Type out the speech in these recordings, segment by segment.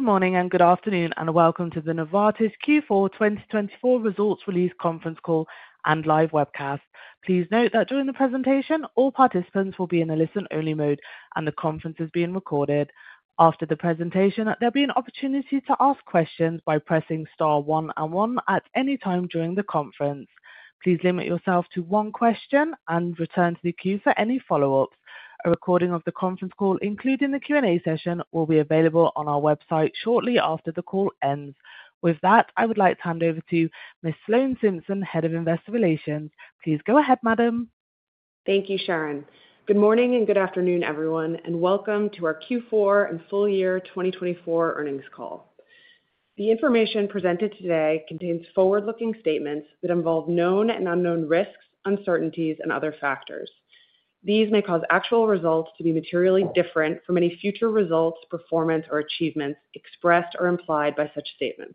Good morning and good afternoon, and welcome to the Novartis Q4 2024 results release conference call and live webcast. Please note that during the presentation, all participants will be in a listen-only mode, and the conference is being recorded. After the presentation, there'll be an opportunity to ask questions by pressing star one and one at any time during the conference. Please limit yourself to one question and return to the queue for any follow-ups. A recording of the conference call, including the Q&A session, will be available on our website shortly after the call ends. With that, I would like to hand over to Ms. Sloan Simpson, Head of Investor Relations. Please go ahead, Madam. Thank you, Sharon. Good morning and good afternoon, everyone, and welcome to our Q4 and full year 2024 earnings call. The information presented today contains forward-looking statements that involve known and unknown risks, uncertainties, and other factors. These may cause actual results to be materially different from any future results, performance, or achievements expressed or implied by such statements.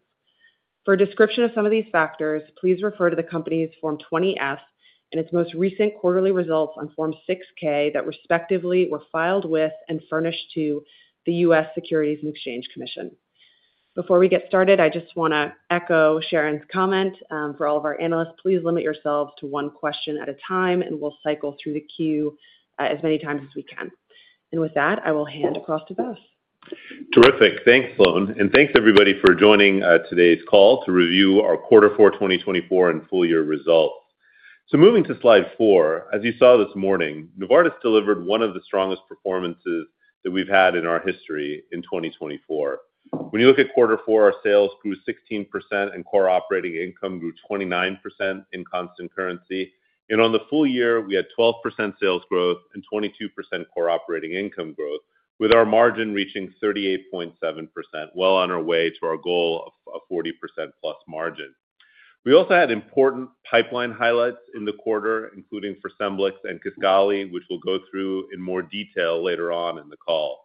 For a description of some of these factors, please refer to the company's Form 20F and its most recent quarterly results on Form 6K that respectively were filed with and furnished to the U.S. Securities and Exchange Commission. Before we get started, I just want to echo Sharon's comment. For all of our analysts, please limit yourselves to one question at a time, and we'll cycle through the queue as many times as we can. And with that, I will hand across to Vas. Terrific. Thanks, Sloan, and thanks, everybody, for joining today's call to review our Q4 2024 and full year results, so moving to slide four, as you saw this morning, Novartis delivered one of the strongest performances that we've had in our history in 2024. When you look at Q4, our sales grew 16%, and core operating income grew 29% in constant currency, and on the full year, we had 12% sales growth and 22% core operating income growth, with our margin reaching 38.7%, well on our way to our goal of a 40% plus margin. We also had important pipeline highlights in the quarter, including for Scemblix and Kisqali, which we'll go through in more detail later on in the call.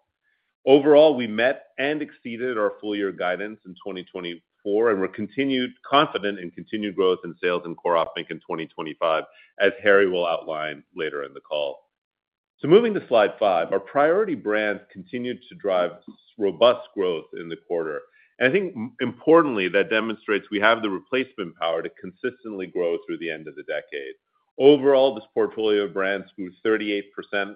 Overall, we met and exceeded our full year guidance in 2024 and were confident in continued growth in sales and core operating in 2025, as Harry will outline later in the call, so moving to slide five, our priority brands continued to drive robust growth in the quarter. And I think, importantly, that demonstrates we have the replacement power to consistently grow through the end of the decade. Overall, this portfolio of brands grew 38%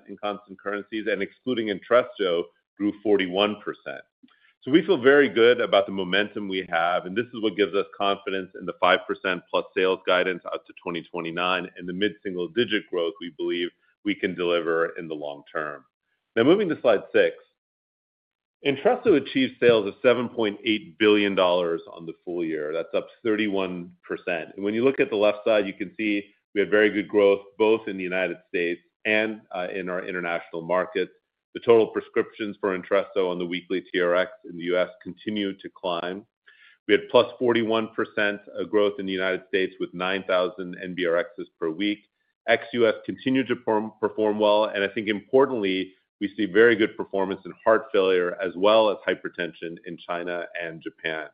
in constant currencies, and excluding Entresto, grew 41%. So we feel very good about the momentum we have, and this is what gives us confidence in the 5% plus sales guidance out to 2029 and the mid-single digit growth we believe we can deliver in the long term. Now, moving to slide six, Entresto achieved sales of $7.8 billion on the full year, that's up 31%. When you look at the left side, you can see we had very good growth both in the United States and in our international markets. The total prescriptions for Entresto on the weekly TRx in the U.S. continue to climb. We had plus 41% growth in the United States with 9,000 NBRx's per week. ex-U.S. continued to perform well. And I think, importantly, we see very good performance in heart failure as well as hypertension in China and Japan.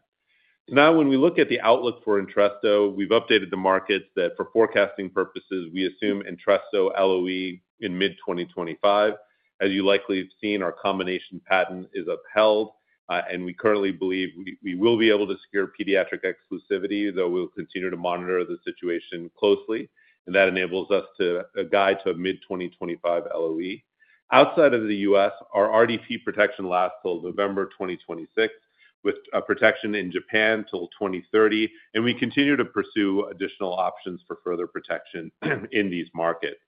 Now, when we look at the outlook for Entresto, we've updated the markets that for forecasting purposes, we assume Entresto LOE in mid-2025. As you likely have seen, our combination patent is upheld, and we currently believe we will be able to secure pediatric exclusivity, though we'll continue to monitor the situation closely. That enables us to guide to a mid-2025 LOE. Outside of the U.S., our RDP protection lasts till November 2026, with protection in Japan till 2030, and we continue to pursue additional options for further protection in these markets.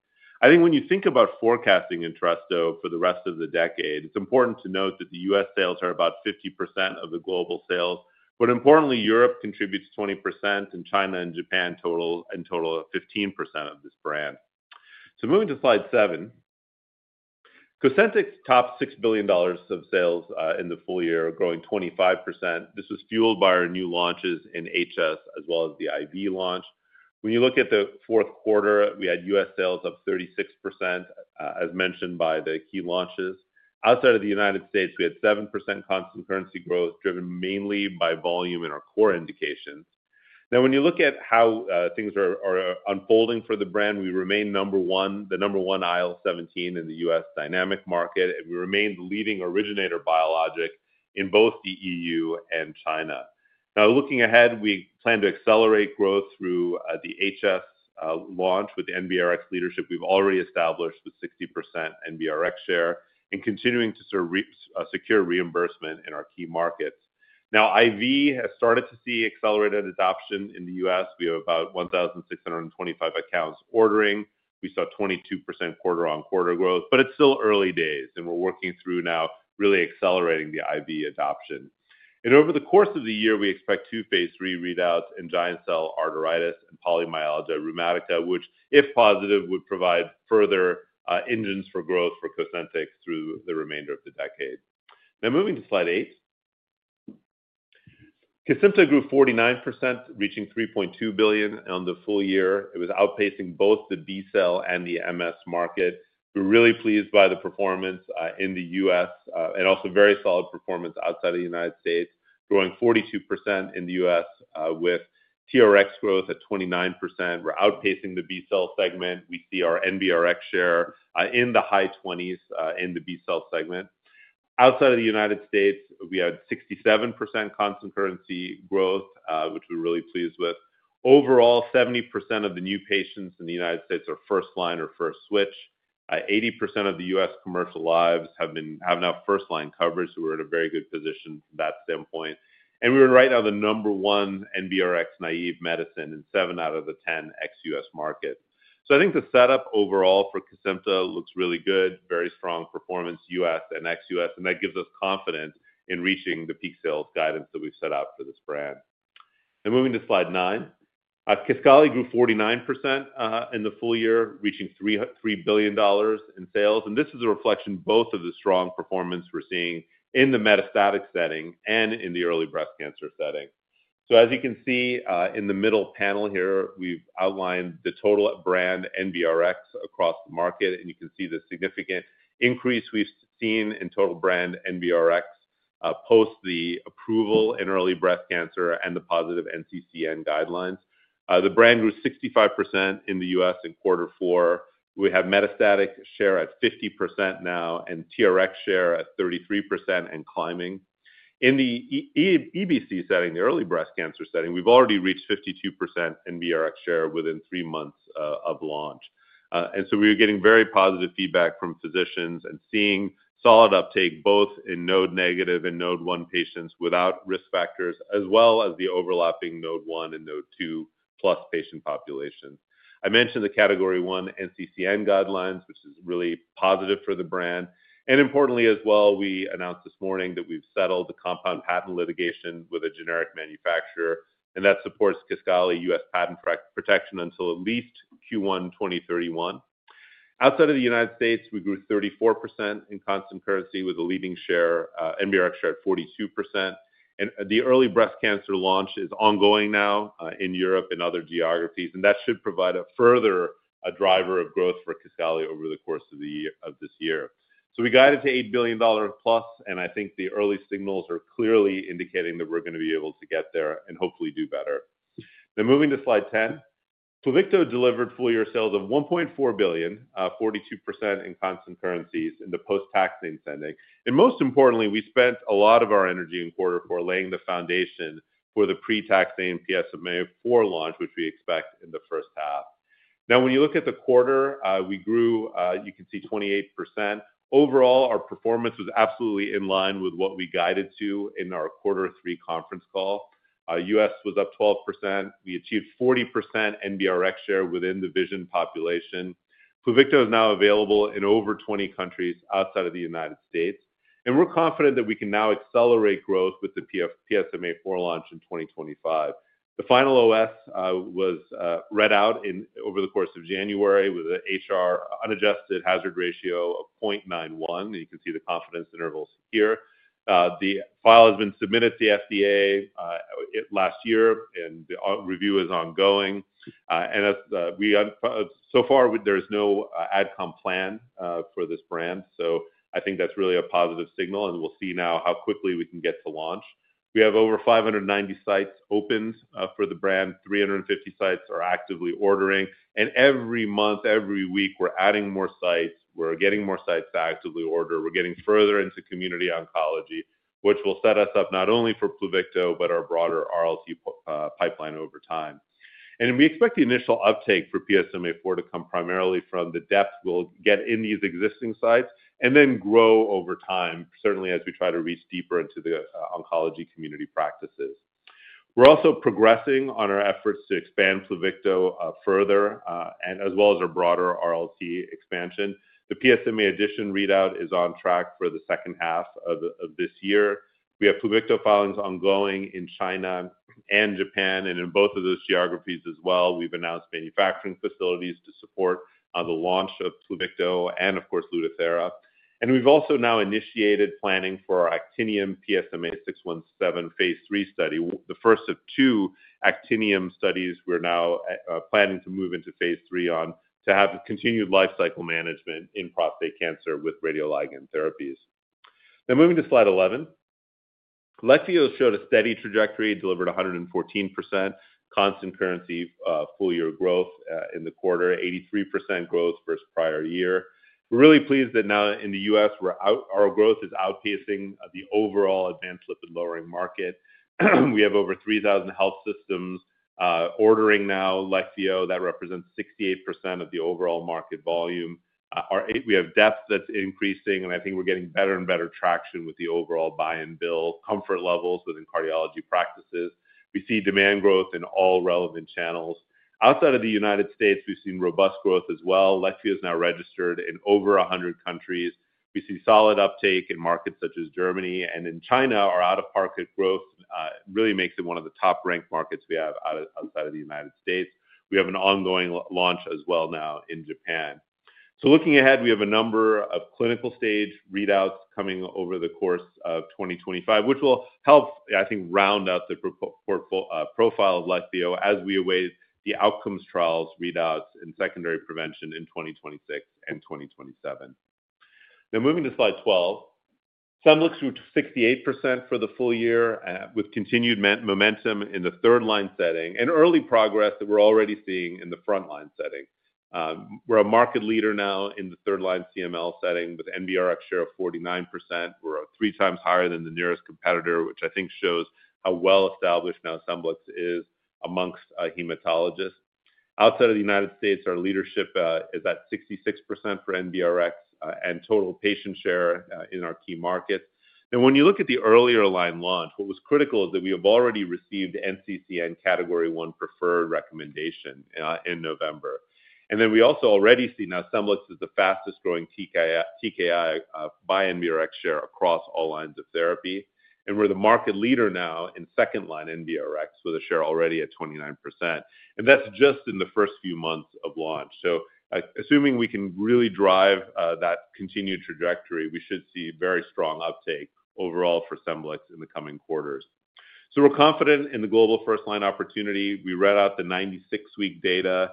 I think when you think about forecasting Entresto for the rest of the decade, it's important to note that the U.S. sales are about 50% of the global sales, but importantly, Europe contributes 20%, and China and Japan total 15% of this brand, so moving to slide seven, Cosentyx topped $6 billion of sales in the full year, growing 25%. This was fueled by our new launches in HS as well as the IV launch. When you look at the fourth quarter, we had U.S. sales up 36%, as mentioned by the key launches. Outside of the United States, we had 7% constant currency growth, driven mainly by volume in our core indications. Now, when you look at how things are unfolding for the brand, we remain number one, the number one IL-17 in the U.S. dynamic market, and we remained the leading originator biologic in both the EU and China. Now, looking ahead, we plan to accelerate growth through the HS launch with the NBRX leadership we've already established with 60% NBRX share and continuing to secure reimbursement in our key markets. Now, IV has started to see accelerated adoption in the U.S. We have about 1,625 accounts ordering. We saw 22% quarter-on-quarter growth, but it's still early days, and we're working through now really accelerating the IV adoption. Over the course of the year, we expect two phase III readouts in giant cell arteritis and polymyalgia rheumatica, which, if positive, would provide further engines for growth for Cosentyx through the remainder of the decade. Now, moving to slide eight, Cosentyx grew 49%, reaching $3.2 billion on the full year. It was outpacing both the B-cell and the MS market. We're really pleased by the performance in the U.S. and also very solid performance outside of the United States, growing 42% in the U.S. with TRx growth at 29%. We're outpacing the B-cell segment. We see our NBRX share in the high 20s in the B-cell segment. Outside of the United States, we had 67% constant currency growth, which we're really pleased with. Overall, 70% of the new patients in the United States are first line or first switch. 80% of the U.S. commercial lives have now first line coverage, so we're in a very good position from that standpoint, and we were right now the number one NBRX naive medicine in seven out of the 10 ex-U.S. market. I think the setup overall for Cosentyx looks really good, very strong performance in the U.S. and ex-U.S., and that gives us confidence in reaching the peak sales guidance that we've set out for this brand. Moving to slide nine, Kisqali grew 49% in the full year, reaching $3 billion in sales. This is a reflection both of the strong performance we're seeing in the metastatic setting and in the early breast cancer setting. As you can see in the middle panel here, we've outlined the total brand NBRx across the market, and you can see the significant increase we've seen in total brand NBRx post the approval in early breast cancer and the positive NCCN guidelines. The brand grew 65% in the U.S. in quarter four. We have metastatic share at 50% now and TRx share at 33% and climbing. In the EBC setting, the early breast cancer setting, we've already reached 52% NBRx share within three months of launch. And so we are getting very positive feedback from physicians and seeing solid uptake both in node negative and node one patients without risk factors, as well as the overlapping node one and node two plus patient populations. I mentioned the category one NCCN guidelines, which is really positive for the brand. And importantly as well, we announced this morning that we've settled the compound patent litigation with a generic manufacturer, and that supports Kisqali U.S. patent protection until at least Q1 2031. Outside of the United States, we grew 34% in constant currency with a leading share, NBRx share at 42%. The early breast cancer launch is ongoing now in Europe and other geographies, and that should provide a further driver of growth for Kisqali over the course of this year. We guided to $8 billion plus, and I think the early signals are clearly indicating that we're going to be able to get there and hopefully do better. Now, moving to slide 10, Pluvicto delivered full year sales of $1.4 billion, 42% in constant currencies in the post-taxane setting. Most importantly, we spent a lot of our energy in quarter four laying the foundation for the pre-taxane PSMAfore launch, which we expect in the first half. When you look at the quarter, we grew, you can see 28%. Overall, our performance was absolutely in line with what we guided to in our quarter three conference call. U.S. was up 12%. We achieved 40% NBRx share within the VISION population. Pluvicto is now available in over 20 countries outside of the United States. And we're confident that we can now accelerate growth with the PSMAfore launch in 2025. The final OS was read out over the course of January with an HR unadjusted hazard ratio of 0.91. And you can see the confidence intervals here. The filing has been submitted to the FDA last year, and the review is ongoing. And so far, there is no adcom plan for this brand. So I think that's really a positive signal, and we'll see now how quickly we can get to launch. We have over 590 sites open for the brand. 350 sites are actively ordering. And every month, every week, we're adding more sites. We're getting more sites to actively order. We're getting further into community oncology, which will set us up not only for Pluvicto, but our broader RLT pipeline over time, and we expect the initial uptake for PSMAfore to come primarily from the depth we'll get in these existing sites and then grow over time, certainly as we try to reach deeper into the oncology community practices. We're also progressing on our efforts to expand Pluvicto further, as well as our broader RLT expansion. The PSMAfore readout is on track for the second half of this year. We have Pluvicto filings ongoing in China and Japan, and in both of those geographies as well. We've announced manufacturing facilities to support the launch of Pluvicto and, of course, Lutathera. And we've also now initiated planning for our Actinium PSMA-617 phase III study, the first of two Actinium studies we're now planning to move into phase III on to have continued lifecycle management in prostate cancer with radioligand therapies. Now, moving to slide 11, Leqvio showed a steady trajectory, delivered 114% constant currency full year growth in the quarter, 83% growth versus prior year. We're really pleased that now in the U.S., our growth is outpacing the overall advanced lipid lowering market. We have over 3,000 health systems ordering now Leqvio. That represents 68% of the overall market volume. We have depth that's increasing, and I think we're getting better and better traction with the overall buy and bill comfort levels within cardiology practices. We see demand growth in all relevant channels. Outside of the United States, we've seen robust growth as well. Leqvio is now registered in over 100 countries. We see solid uptake in markets such as Germany, and in China, our out-of-market growth really makes it one of the top-ranked markets we have outside of the United States. We have an ongoing launch as well now in Japan. So looking ahead, we have a number of clinical stage readouts coming over the course of 2025, which will help, I think, round out the profile of Leqvio as we await the outcomes trials readouts in secondary prevention in 2026 and 2027. Now, moving to slide 12, Scemblix grew 68% for the full year with continued momentum in the third line setting and early progress that we're already seeing in the front line setting. We're a market leader now in the third line CML setting with NBRx share of 49%. We're three times higher than the nearest competitor, which I think shows how well established now Scemblix is amongst hematologists. Outside of the United States, our leadership is at 66% for NBRx and total patient share in our key markets. And when you look at the earlier line launch, what was critical is that we have already received NCCN category one preferred recommendation in November. And then we also already see now Scemblix is the fastest growing TKI by NBRx share across all lines of therapy. And we're the market leader now in second line NBRx with a share already at 29%. And that's just in the first few months of launch. So assuming we can really drive that continued trajectory, we should see very strong uptake overall for Scemblix in the coming quarters. So we're confident in the global first line opportunity. We read out the 96-week data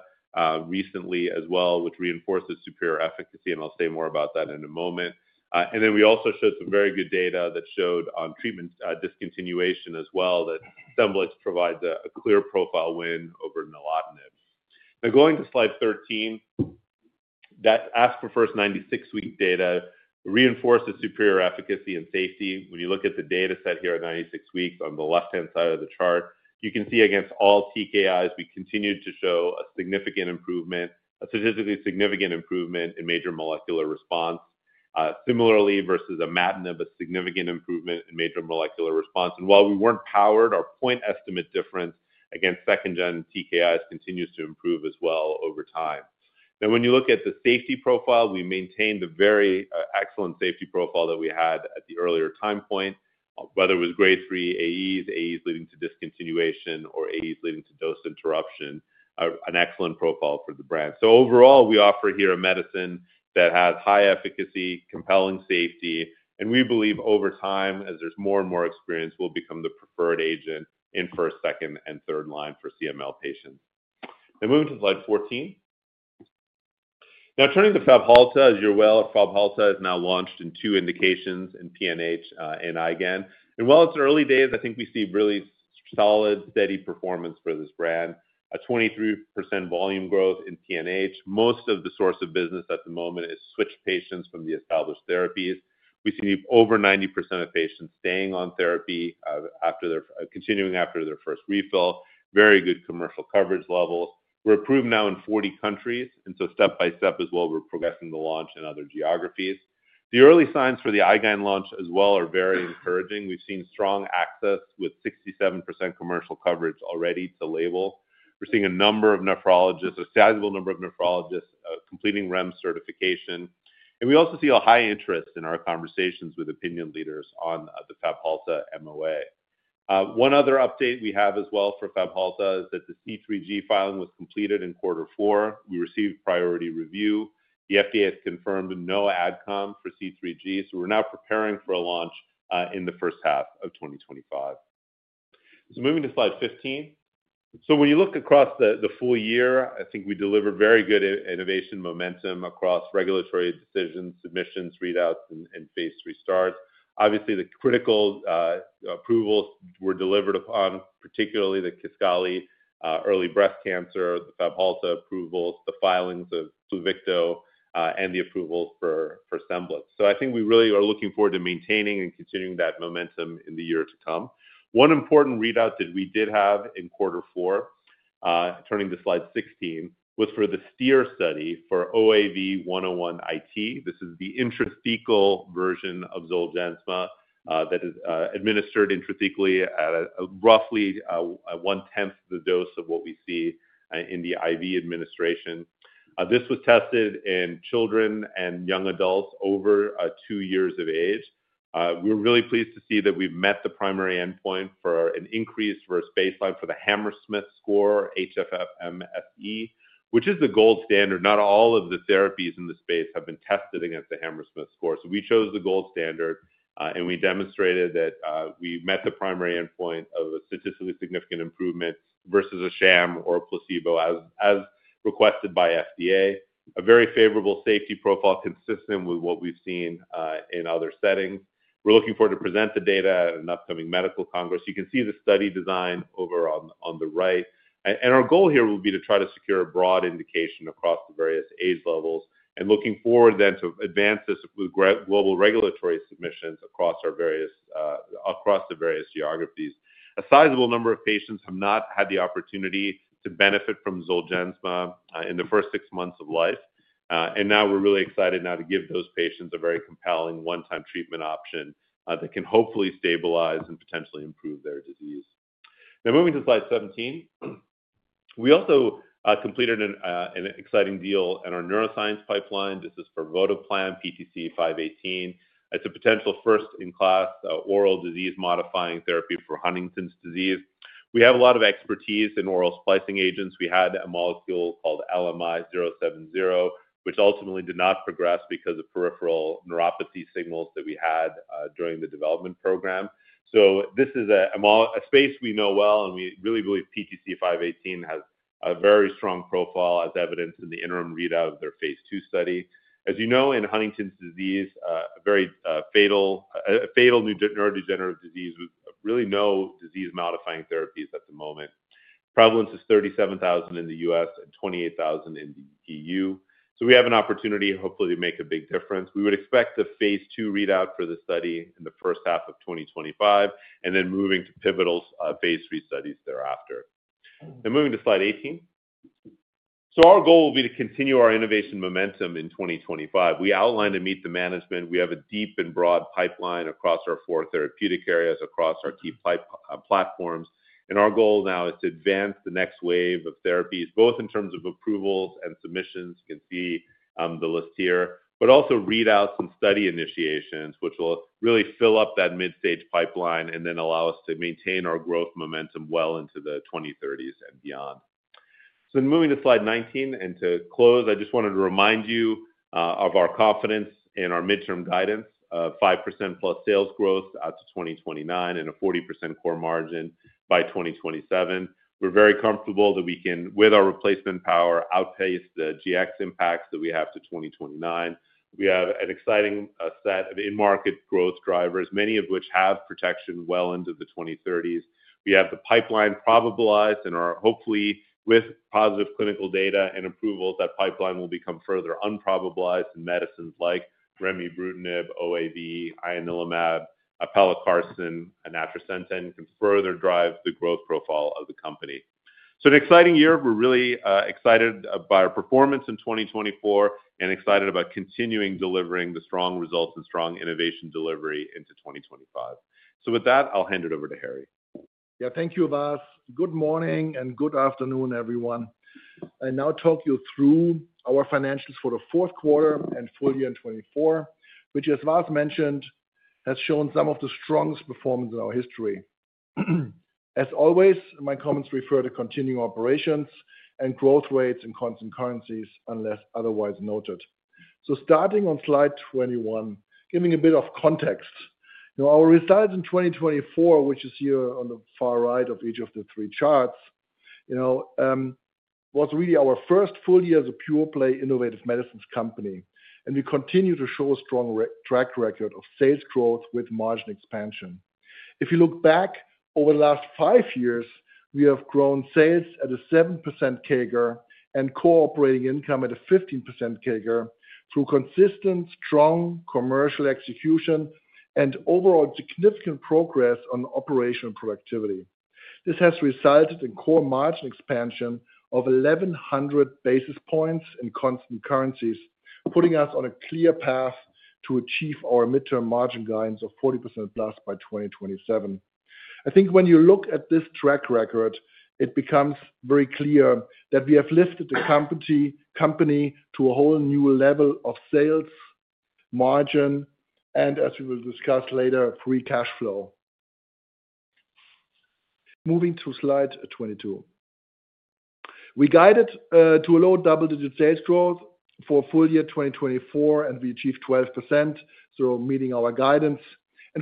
recently as well, which reinforces superior efficacy, and I'll say more about that in a moment, and then we also showed some very good data that showed on treatment discontinuation as well that Scemblix provides a clear profile win over nilotinib. Now, going to slide 13. That ASC4FIRST 96-week data reinforces superior efficacy and safety. When you look at the data set here at 96 weeks on the left-hand side of the chart, you can see against all TKIs, we continued to show a significant improvement, a statistically significant improvement in major molecular response. Similarly, versus imatinib, a significant improvement in major molecular response, and while we weren't powered, our point estimate difference against second-gen TKIs continues to improve as well over time. Now, when you look at the safety profile, we maintain the very excellent safety profile that we had at the earlier time point, whether it was grade three AEs, AEs leading to discontinuation, or AEs leading to dose interruption, an excellent profile for the brand. So overall, we offer here a medicine that has high efficacy, compelling safety, and we believe over time, as there's more and more experience, we'll become the preferred agent in first, second, and third line for CML patients. Now, moving to slide 14. Now, turning to Fabhalta, as you're aware, Fabhalta is now launched in two indications in PNH and IgAN. And while it's early days, I think we see really solid, steady performance for this brand, a 23% volume growth in PNH. Most of the source of business at the moment is switched patients from the established therapies. We see over 90% of patients staying on therapy continuing after their first refill, very good commercial coverage levels. We're approved now in 40 countries, and so step by step as well, we're progressing the launch in other geographies. The early signs for the IgAN launch as well are very encouraging. We've seen strong access with 67% commercial coverage already to label. We're seeing a number of nephrologists, a sizable number of nephrologists completing REMS certification. And we also see a high interest in our conversations with opinion leaders on the Fabhalta MOA. One other update we have as well for Fabhalta is that the C3G filing was completed in quarter four. We received priority review. The FDA has confirmed no ad comm for C3G, so we're now preparing for a launch in the first half of 2025. So moving to slide 15. So when you look across the full year, I think we delivered very good innovation momentum across regulatory decisions, submissions, readouts, and phase III starts. Obviously, the critical approvals were delivered upon particularly the Kisqali early breast cancer, the Fabhalta approvals, the filings of Pluvicto, and the approvals for Scemblix. So I think we really are looking forward to maintaining and continuing that momentum in the year to come. One important readout that we did have in quarter four, turning to slide 16, was for the STEER study for OAV101 IT. This is the intrathecal version of Zolgensma that is administered intrathecally at roughly one-tenth the dose of what we see in the IV administration. This was tested in children and young adults over two years of age. We're really pleased to see that we've met the primary endpoint for an increased versus baseline for the Hammersmith score, HFMSE, which is the gold standard. Not all of the therapies in the space have been tested against the Hammersmith score. So we chose the gold standard, and we demonstrated that we met the primary endpoint of a statistically significant improvement versus a sham or a placebo as requested by FDA, a very favorable safety profile consistent with what we've seen in other settings. We're looking forward to presenting the data at an upcoming medical congress. You can see the study design over on the right. And our goal here will be to try to secure a broad indication across the various age levels and looking forward then to advance this with global regulatory submissions across the various geographies. A sizable number of patients have not had the opportunity to benefit from Zolgensma in the first six months of life. Now we're really excited now to give those patients a very compelling one-time treatment option that can hopefully stabilize and potentially improve their disease. Now, moving to slide 17, we also completed an exciting deal in our neuroscience pipeline. This is the PTC518. It's a potential first-in-class oral disease-modifying therapy for Huntington's disease. We have a lot of expertise in oral splicing agents. We had a molecule called LMI070, which ultimately did not progress because of peripheral neuropathy signals that we had during the development program. This is a space we know well, and we really believe PTC518 has a very strong profile, as evidenced in the interim readout of their phase II study. As you know, in Huntington's disease, a very fatal neurodegenerative disease with really no disease-modifying therapies at the moment. Prevalence is 37,000 in the U.S. and 28,000 in the E.U.. So we have an opportunity, hopefully, to make a big difference. We would expect the phase II readout for the study in the first half of 2025, and then moving to pivotal phase III studies thereafter. Now, moving to slide 18. So our goal will be to continue our innovation momentum in 2025. We outlined to meet the management. We have a deep and broad pipeline across our four therapeutic areas, across our key platforms. And our goal now is to advance the next wave of therapies, both in terms of approvals and submissions. You can see the list here, but also readouts and study initiations, which will really fill up that mid-stage pipeline and then allow us to maintain our growth momentum well into the 2030s and beyond. So moving to slide 19, and to close, I just wanted to remind you of our confidence in our midterm guidance of 5% plus sales growth out to 2029 and a 40% core margin by 2027. We're very comfortable that we can, with our replacement power, outpace the GX impacts that we have to 2029. We have an exciting set of in-market growth drivers, many of which have protection well into the 2030s. We have the pipeline probabilized and are hopefully, with positive clinical data and approvals, that pipeline will become further unprobabilized and medicines like Remibrutinib, OAV, Ianalumab, pelacarsen, and Atrasentan can further drive the growth profile of the company, so an exciting year. We're really excited by our performance in 2024 and excited about continuing delivering the strong results and strong innovation delivery into 2025. With that, I'll hand it over to Harry. Yeah, thank you, Vas. Good morning and good afternoon, everyone. I'll now talk you through our financials for the fourth quarter and full year in 2024, which, as Vas mentioned, has shown some of the strongest performance in our history. As always, my comments refer to continuing operations and growth rates in constant currencies, unless otherwise noted. Starting on slide 21, giving a bit of context, our results in 2024, which is here on the far right of each of the three charts, was really our first full year as a pure-play innovative medicines company, and we continue to show a strong track record of sales growth with margin expansion. If you look back over the last five years, we have grown sales at a 7% CAGR and operating income at a 15% CAGR through consistent, strong commercial execution and overall significant progress on operational productivity. This has resulted in core margin expansion of 1,100 basis points in constant currencies, putting us on a clear path to achieve our midterm margin guidance of 40% plus by 2027. I think when you look at this track record, it becomes very clear that we have lifted the company to a whole new level of sales margin and, as we will discuss later, free cash flow. Moving to slide 22. We guided to a low double-digit sales growth for full year 2024, and we achieved 12%, so meeting our guidance.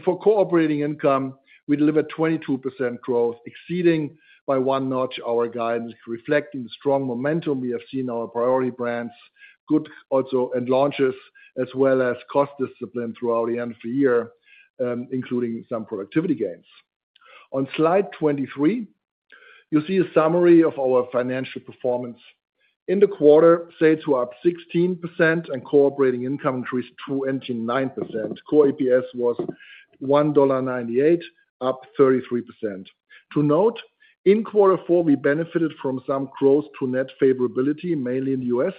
For core operating income, we delivered 22% growth, exceeding by one notch our guidance, reflecting the strong momentum we have seen in our priority brands, good old and new launches, as well as cost discipline throughout the end of the year, including some productivity gains. On slide 23, you'll see a summary of our financial performance. In the quarter, sales were up 16%, and core operating income increased 29%. Core EPS was $1.98, up 33%. To note, in quarter four, we benefited from some gross-to-net favorability, mainly in the U.S.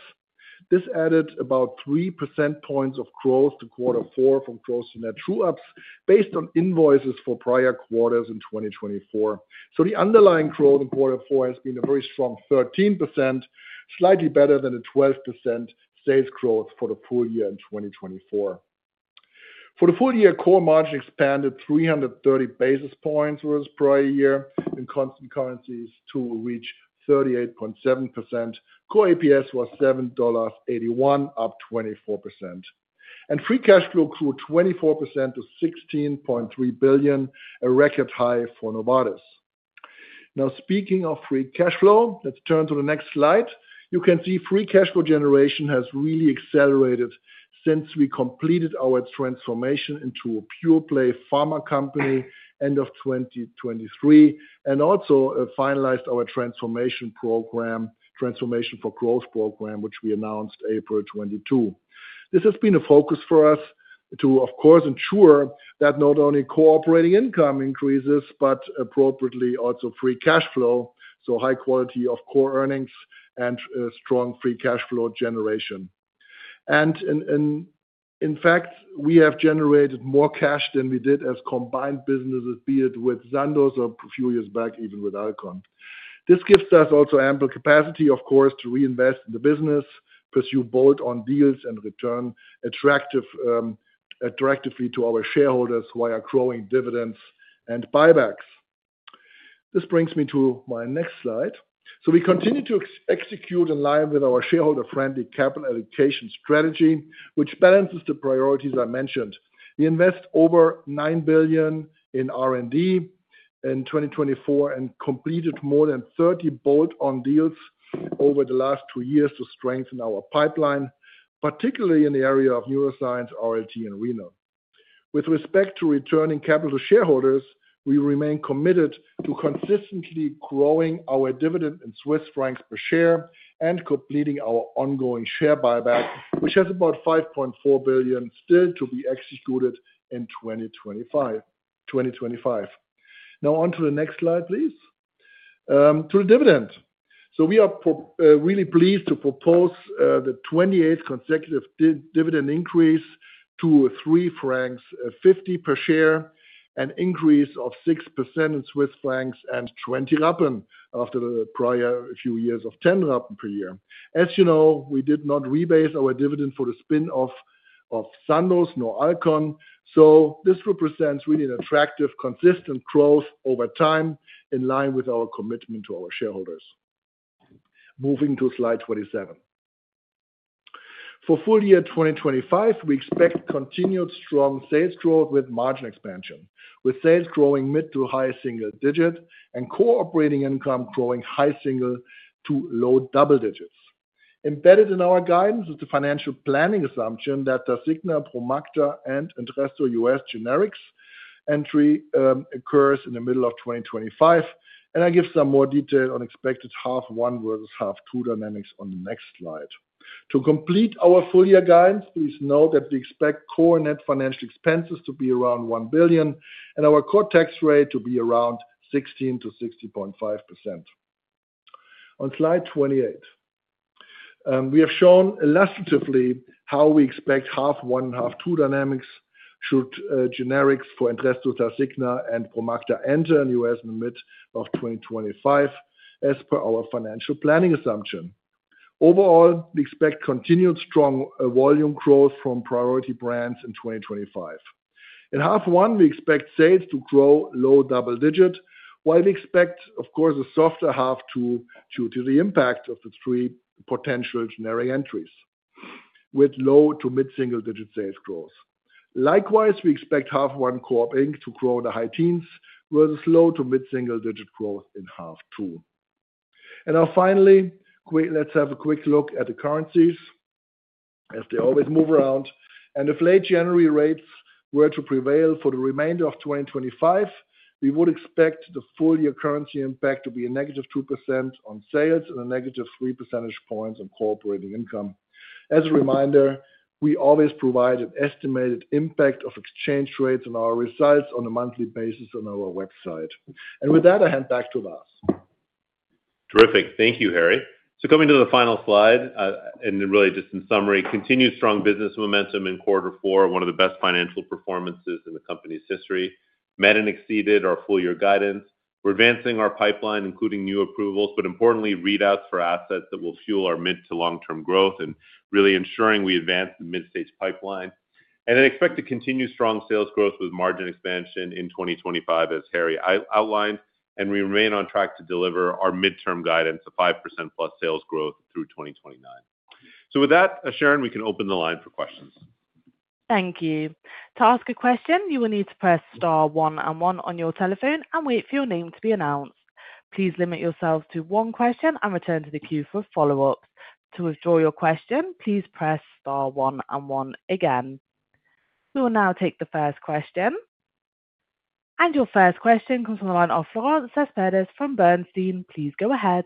This added about 3 percentage points of growth to quarter four from gross-to-net true-ups based on invoices for prior quarters in 2024. The underlying growth in quarter four has been a very strong 13%, slightly better than a 12% sales growth for the full year in 2024. For the full year, core margin expanded 330 basis points versus prior year in constant currencies to reach 38.7%. Core EPS was $7.81, up 24%. And free cash flow grew 24% to $16.3 billion, a record high for Novartis. Now, speaking of free cash flow, let's turn to the next slide. You can see free cash flow generation has really accelerated since we completed our transformation into a pure-play pharma company end of 2023 and also finalized our transformation program, transformation for growth program, which we announced April 22. This has been a focus for us to, of course, ensure that not only operating income increases, but appropriately also free cash flow, so high quality of core earnings and strong free cash flow generation. And in fact, we have generated more cash than we did as combined businesses, be it with Sandoz or a few years back, even with Alcon. This gives us also ample capacity, of course, to reinvest in the business, pursue bolt-on deals, and return attractively to our shareholders via growing dividends and buybacks. This brings me to my next slide. We continue to execute in line with our shareholder-friendly capital allocation strategy, which balances the priorities I mentioned. We invest over $9 billion in R&D in 2024 and completed more than 30 bolt-on deals over the last two years to strengthen our pipeline, particularly in the area of neuroscience, R&D, and renal. With respect to returning capital to shareholders, we remain committed to consistently growing our dividend in Swiss francs per share and completing our ongoing share buyback, which has about $5.4 billion still to be executed in 2025. Now, on to the next slide, please. To the dividend. We are really pleased to propose the 28th consecutive dividend increase to 3.50 francs per share, an increase of 6% in Swiss francs and 0.20 after the prior few years of 0.10 per year. As you know, we did not rebase our dividend for the spin-off of Sandoz nor Alcon. This represents really an attractive, consistent growth over time in line with our commitment to our shareholders. Moving to slide 27. For full year 2025, we expect continued strong sales growth with margin expansion, with sales growing mid- to high-single digit and core operating income growing high-single- to low-double-digit. Embedded in our guidance is the financial planning assumption that the Tasigna, Promacta, and Entresto U.S. generics entry occurs in the middle of 2025. I'll give some more detail on expected half one versus half two dynamics on the next slide. To complete our full year guidance, please note that we expect core net financial expenses to be around 1 billion and our core tax rate to be around 16%-16.5%. On slide 28, we have shown illustratively how we expect half one and half two dynamics should generics for Entresto, Tasigna, and Promacta enter in the U.S. in mid-2025 as per our financial planning assumption. Overall, we expect continued strong volume growth from priority brands in 2025. In half one, we expect sales to grow low double digit, while we expect, of course, a softer half to due to the impact of the three potential generic entries with low to mid-single-digit sales growth. Likewise, we expect half one core operating income to grow in the high teens versus low- to mid-single-digit growth in half two. And now finally, let's have a quick look at the currencies, as they always move around. And if late January rates were to prevail for the remainder of 2025, we would expect the full year currency impact to be a -2% on sales and -3 percentage points on core operating income. As a reminder, we always provide an estimated impact of exchange rates on our results on a monthly basis on our website. And with that, I hand back to Vas. Terrific. Thank you, Harry. So coming to the final slide, and really just in summary, continued strong business momentum in quarter four, one of the best financial performances in the company's history, met and exceeded our full year guidance. We're advancing our pipeline, including new approvals, but importantly, readouts for assets that will fuel our mid to long-term growth and really ensuring we advance the mid-stage pipeline. I expect to continue strong sales growth with margin expansion in 2025, as Harry outlined, and we remain on track to deliver our midterm guidance of 5% plus sales growth through 2029. With that, Sharon, we can open the line for questions. Thank you. To ask a question, you will need to press star one and one on your telephone and wait for your name to be announced. Please limit yourself to one question and return to the queue for follow-ups. To withdraw your question, please press star one and one again. We will now take the first question. Your first question comes from the line of Florent Cespedes from Bernstein. Please go ahead.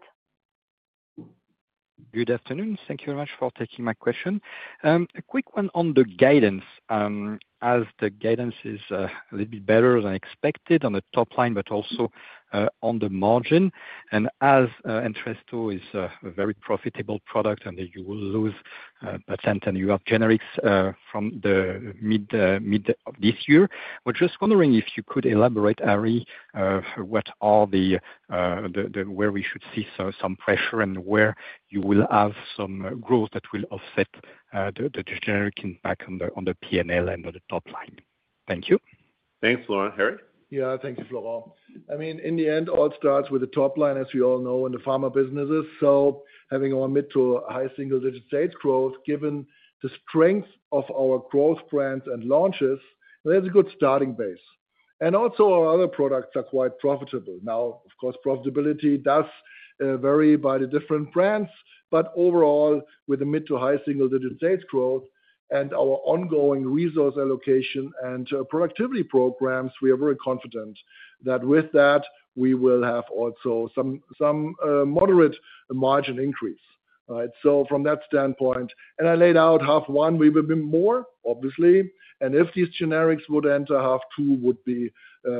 Good afternoon. Thank you very much for taking my question. A quick one on the guidance. As the guidance is a little bit better than expected on the top line, but also on the margin. And as Entresto is a very profitable product and you will lose percent and you have generics from the mid of this year, we are just wondering if you could elaborate, Harry, what are the where we should see some pressure and where you will have some growth that will offset the generic impact on the P&L and on the top line. Thank you. Thanks, Florent. Harry? Yeah, thank you, Florent. I mean, in the end, all starts with the top line, as we all know, in the pharma businesses. So having our mid- to high-single-digit sales growth, given the strength of our growth brands and launches, that is a good starting base. Also, our other products are quite profitable. Now, of course, profitability does vary by the different brands, but overall, with the mid- to high-single-digit sales growth and our ongoing resource allocation and productivity programs, we are very confident that with that, we will have also some moderate margin increase. So from that standpoint, and I laid out half one, we will be more, obviously. And if these generics would enter, half two would be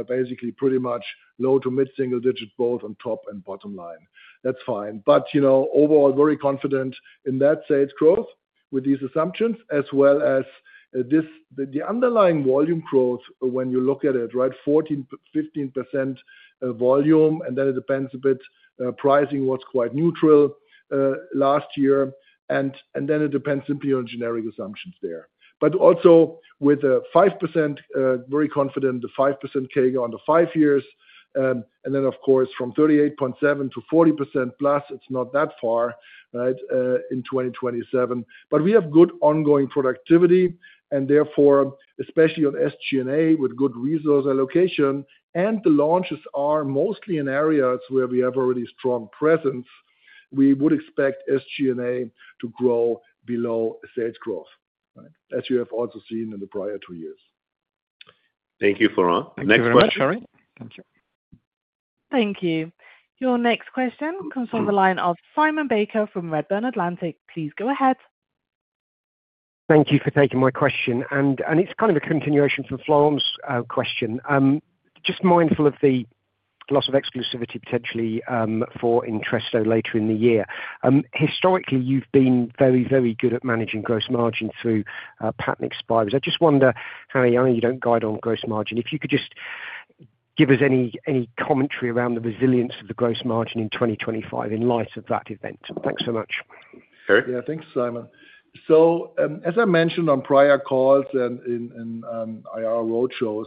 basically pretty much low- to mid-single-digit, both on top and bottom line. That's fine. But overall, very confident in that sales growth with these assumptions, as well as the underlying volume growth when you look at it, right? 14%, 15% volume, and then it depends a bit. Pricing was quite neutral last year. And then it depends simply on generic assumptions there. But also with a 5%, very confident, the 5% CAGR on the five years. And then, of course, from 38.7% to 40% plus, it's not that far in 2027. But we have good ongoing productivity. And therefore, especially on SG&A with good resource allocation, and the launches are mostly in areas where we have already strong presence, we would expect SG&A to grow below sales growth, as you have also seen in the prior two years. Thank you, Florent. Next question. Thank you. Your next question comes from the line of Simon Baker from Redburn Atlantic. Please go ahead. Thank you for taking my question. And it's kind of a continuation from Florent's question. Just mindful of the loss of exclusivity potentially for Entresto later in the year. Historically, you've been very, very good at managing gross margin through patent expires. I just wonder, Harry, I know you don't guide on gross margin. If you could just give us any commentary around the resilience of the gross margin in 2025 in light of that event? Thanks so much. Harry? Yeah, thanks, Simon. So as I mentioned on prior calls and in IR roadshows,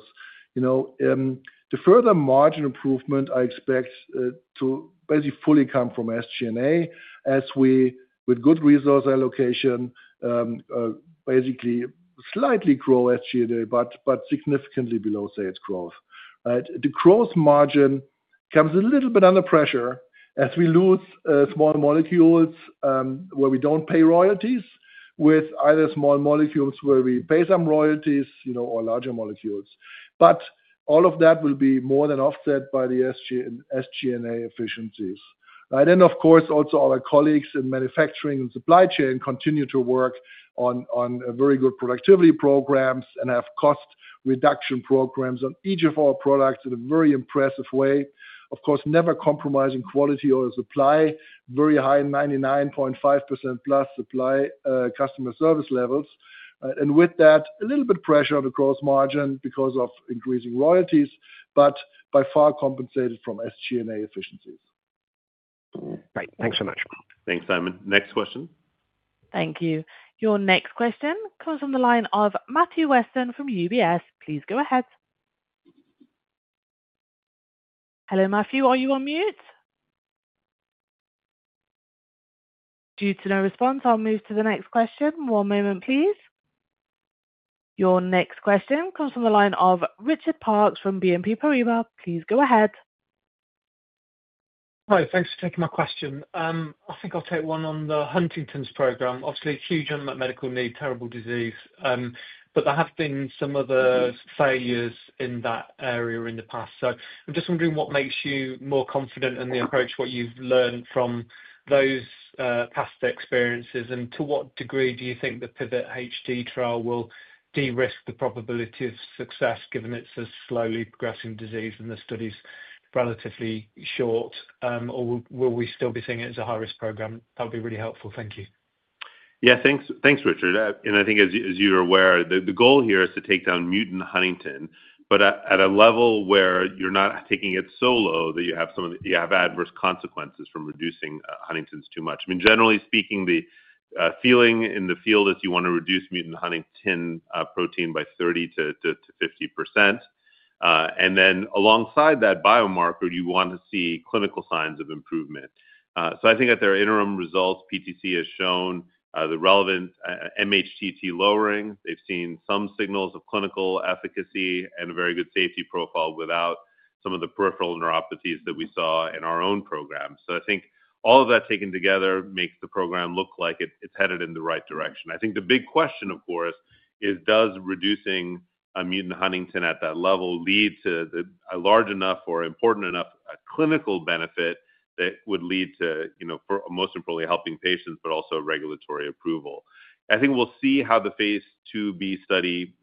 the further margin improvement I expect to basically fully come from SG&A as we, with good resource allocation, basically slightly grow SG&A, but significantly below sales growth. The gross margin comes a little bit under pressure as we lose small molecules where we don't pay royalties, with either small molecules where we pay some royalties or larger molecules. But all of that will be more than offset by the SG&A efficiencies. And of course, also our colleagues in manufacturing and supply chain continue to work on very good productivity programs and have cost reduction programs on each of our products in a very impressive way. Of course, never compromising quality or supply, very high 99.5% plus supply customer service levels. And with that, a little bit pressure on the gross margin because of increasing royalties, but by far compensated from SG&A efficiencies. Great. Thanks so much. Thanks, Simon. Next question. Thank you. Your next question comes from the line of Matthew Weston from UBS. Please go ahead. Hello, Matthew. Are you on mute? Due to no response, I'll move to the next question. One moment, please. Your next question comes from the line of Richard Parkes from BNP Paribas. Please go ahead. Hi. Thanks for taking my question. I think I'll take one on the Huntington's program. Obviously, huge unmet medical need, terrible disease. But there have been some other failures in that area in the past. I'm just wondering what makes you more confident in the approach, what you've learned from those past experiences, and to what degree do you think the PIVOT-HD trial will de-risk the probability of success given it's a slowly progressing disease and the study's relatively short? Or will we still be seeing it as a high-risk program? That would be really helpful. Thank you. Yeah, thanks, Richard. And I think as you're aware, the goal here is to take down mutant Huntington, but at a level where you're not taking it so low that you have adverse consequences from reducing Huntington's too much. I mean, generally speaking, the feeling in the field is you want to reduce mutant Huntington protein by 30%-50%. And then alongside that biomarker, you want to see clinical signs of improvement. So I think at their interim results, PTC has shown the relevant MHTT lowering. They've seen some signals of clinical efficacy and a very good safety profile without some of the peripheral neuropathies that we saw in our own program. So I think all of that taken together makes the program look like it's headed in the right direction. I think the big question, of course, is does reducing a mutant Huntington at that level lead to a large enough or important enough clinical benefit that would lead to, most importantly, helping patients, but also regulatory approval? I think we'll see how the phase II-B study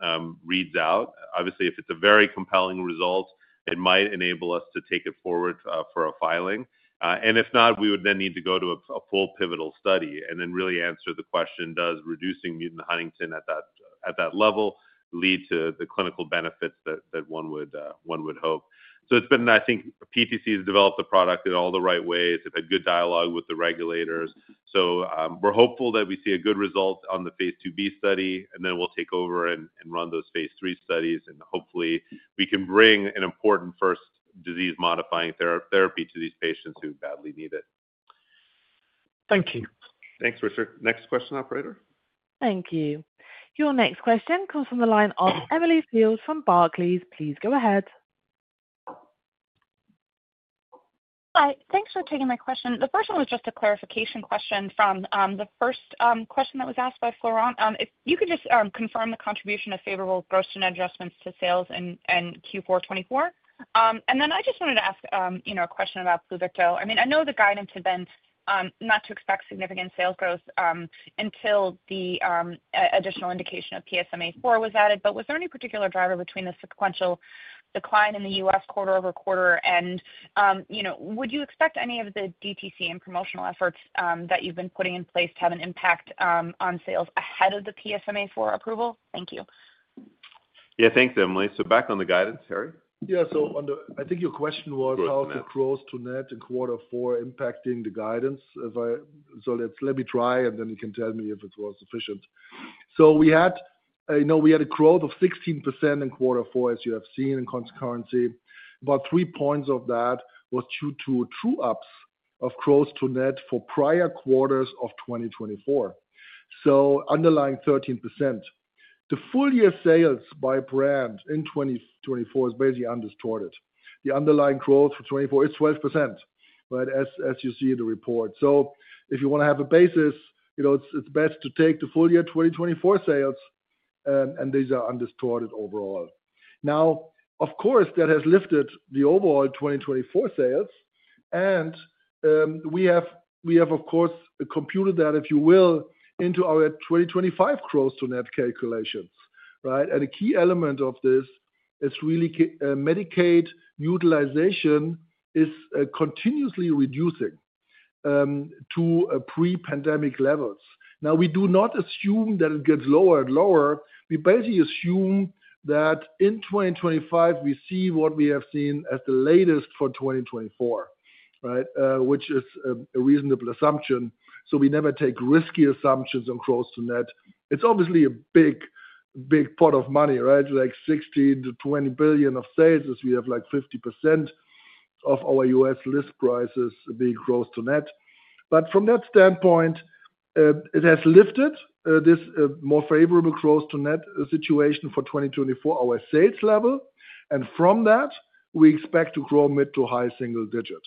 reads out. Obviously, if it's a very compelling result, it might enable us to take it forward for a filing. And if not, we would then need to go to a full pivotal study and then really answer the question, does reducing mutant Huntington at that level lead to the clinical benefits that one would hope? So it's been, I think, PTC has developed the product in all the right ways. They've had good dialogue with the regulators. So we're hopeful that we see a good result on the phase II-B study, and then we'll take over and run those phase III studies. And hopefully, we can bring an important first disease-modifying therapy to these patients who badly need it. Thank you. Thanks, Richard. Next question, Operator. Thank you. Your next question comes from the line of Emily Field from Barclays. Please go ahead. Hi. Thanks for taking my question. The first one was just a clarification question from the first question that was asked by Florent. If you could just confirm the contribution of favorable gross-to-net adjustments to sales in Q4 2024. And then I just wanted to ask a question about Pluvicto. I mean, I know the guidance had been not to expect significant sales growth until the additional indication of PSMAfore was added. But was there any particular driver behind the sequential decline in the U.S. quarter over quarter? And would you expect any of the DTC and promotional efforts that you've been putting in place to have an impact on sales ahead of the PSMAfore approval? Thank you. Yeah, thanks, Emily. So back on the guidance, Harry? Yeah. So I think your question was how the gross-to-net in quarter four impacting the guidance. So let me try, and then you can tell me if it was sufficient. So we had a growth of 16% in quarter four, as you have seen in constant currency. About three points of that was due to true-ups of gross-to-net for prior quarters of 2024. So underlying 13%. The full year sales by brand in 2024 is basically undistorted. The underlying growth for 2024 is 12%, as you see in the report. So if you want to have a basis, it's best to take the full year 2024 sales, and these are undistorted overall. Now, of course, that has lifted the overall 2024 sales. And we have, of course, computed that, if you will, into our 2025 gross-to-net calculations. And a key element of this is really Medicaid utilization is continuously reducing to pre-pandemic levels. Now, we do not assume that it gets lower and lower. We basically assume that in 2025, we see what we have seen as the latest for 2024, which is a reasonable assumption, so we never take risky assumptions on gross-to-net. It's obviously a big pot of money, right? Like 16-20 billion in sales, as we have like 50% of our U.S. list prices being gross to net. But from that standpoint, it has lifted this more favorable gross-to-net situation for 2024, our sales level, and from that, we expect to grow mid- to high-single-digit.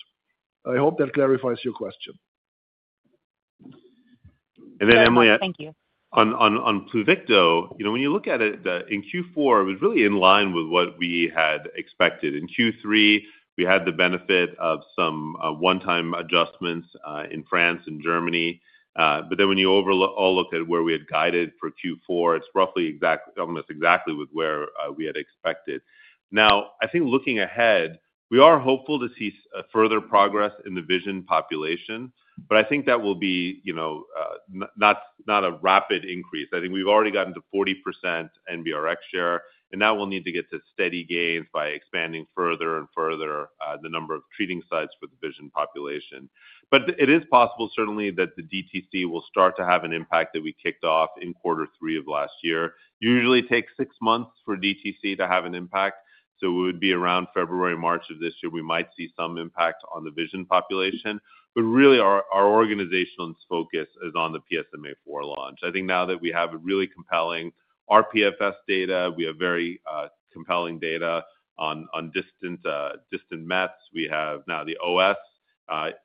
I hope that clarifies your question. And then Thank you. Emily, on Pluvicto, when you look at it in Q4, it was really in line with what we had expected. In Q3, we had the benefit of some one-time adjustments in France and Germany. But then when you all look at where we had guided for Q4, it's roughly almost exactly with where we had expected. Now, I think looking ahead, we are hopeful to see further progress in the VISION population. But I think that will be you know not a rapid increase. I think we've already gotten to 40% NBRx share. And now we'll need to get to steady gains by expanding further and further the number of treating sites for the VISION population. But it is possible, certainly, that the DTC will start to have an impact that we kicked off in quarter three of last year. Usually, it takes six months for DTC to have an impact. So it would be around February, March of this year, we might see some impact on the VISION population. But really, our organization's focus is on the PSMAfore launch. I think now that we have really compelling rPFS data, we have very compelling data on distant mets. We have now the OS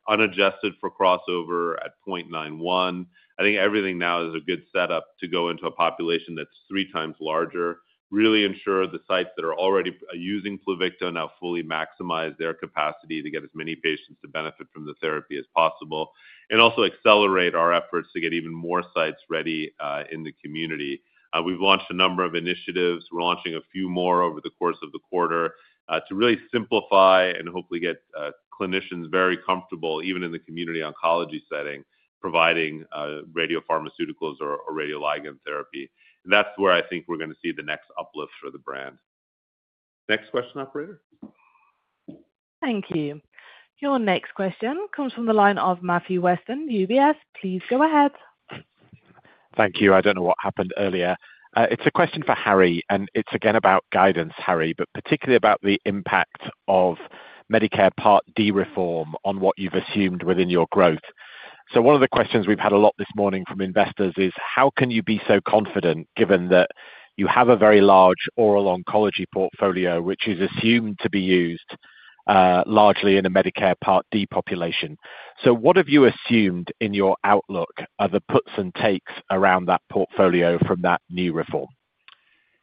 unadjusted for crossover at 0.91. I think everything now is a good setup to go into a population that's three times larger, really ensure the sites that are already using Pluvicto now fully maximize their capacity to get as many patients to benefit from the therapy as possible, and also accelerate our efforts to get even more sites ready in the community. We've launched a number of initiatives. We're launching a few more over the course of the quarter to really simplify and hopefully get clinicians very comfortable, even in the community oncology setting, providing radio-pharmaceuticals or radioligand therapy, and that's where I think we're going to see the next uplift for the brand. Next question, Operator. Thank you. Your next question comes from the line of Matthew Weston, UBS. Please go ahead. Thank you. I don't know what happened earlier. It's a question for Harry. And it's again about guidance, Harry, but particularly about the impact of Medicare Part D reform on what you've assumed within your growth. So one of the questions we've had a lot this morning from investors is, how can you be so confident given that you have a very large oral oncology portfolio, which is assumed to be used largely in a Medicare Part D population. So what have you assumed in your outlook are the puts and takes around that portfolio from that new reform?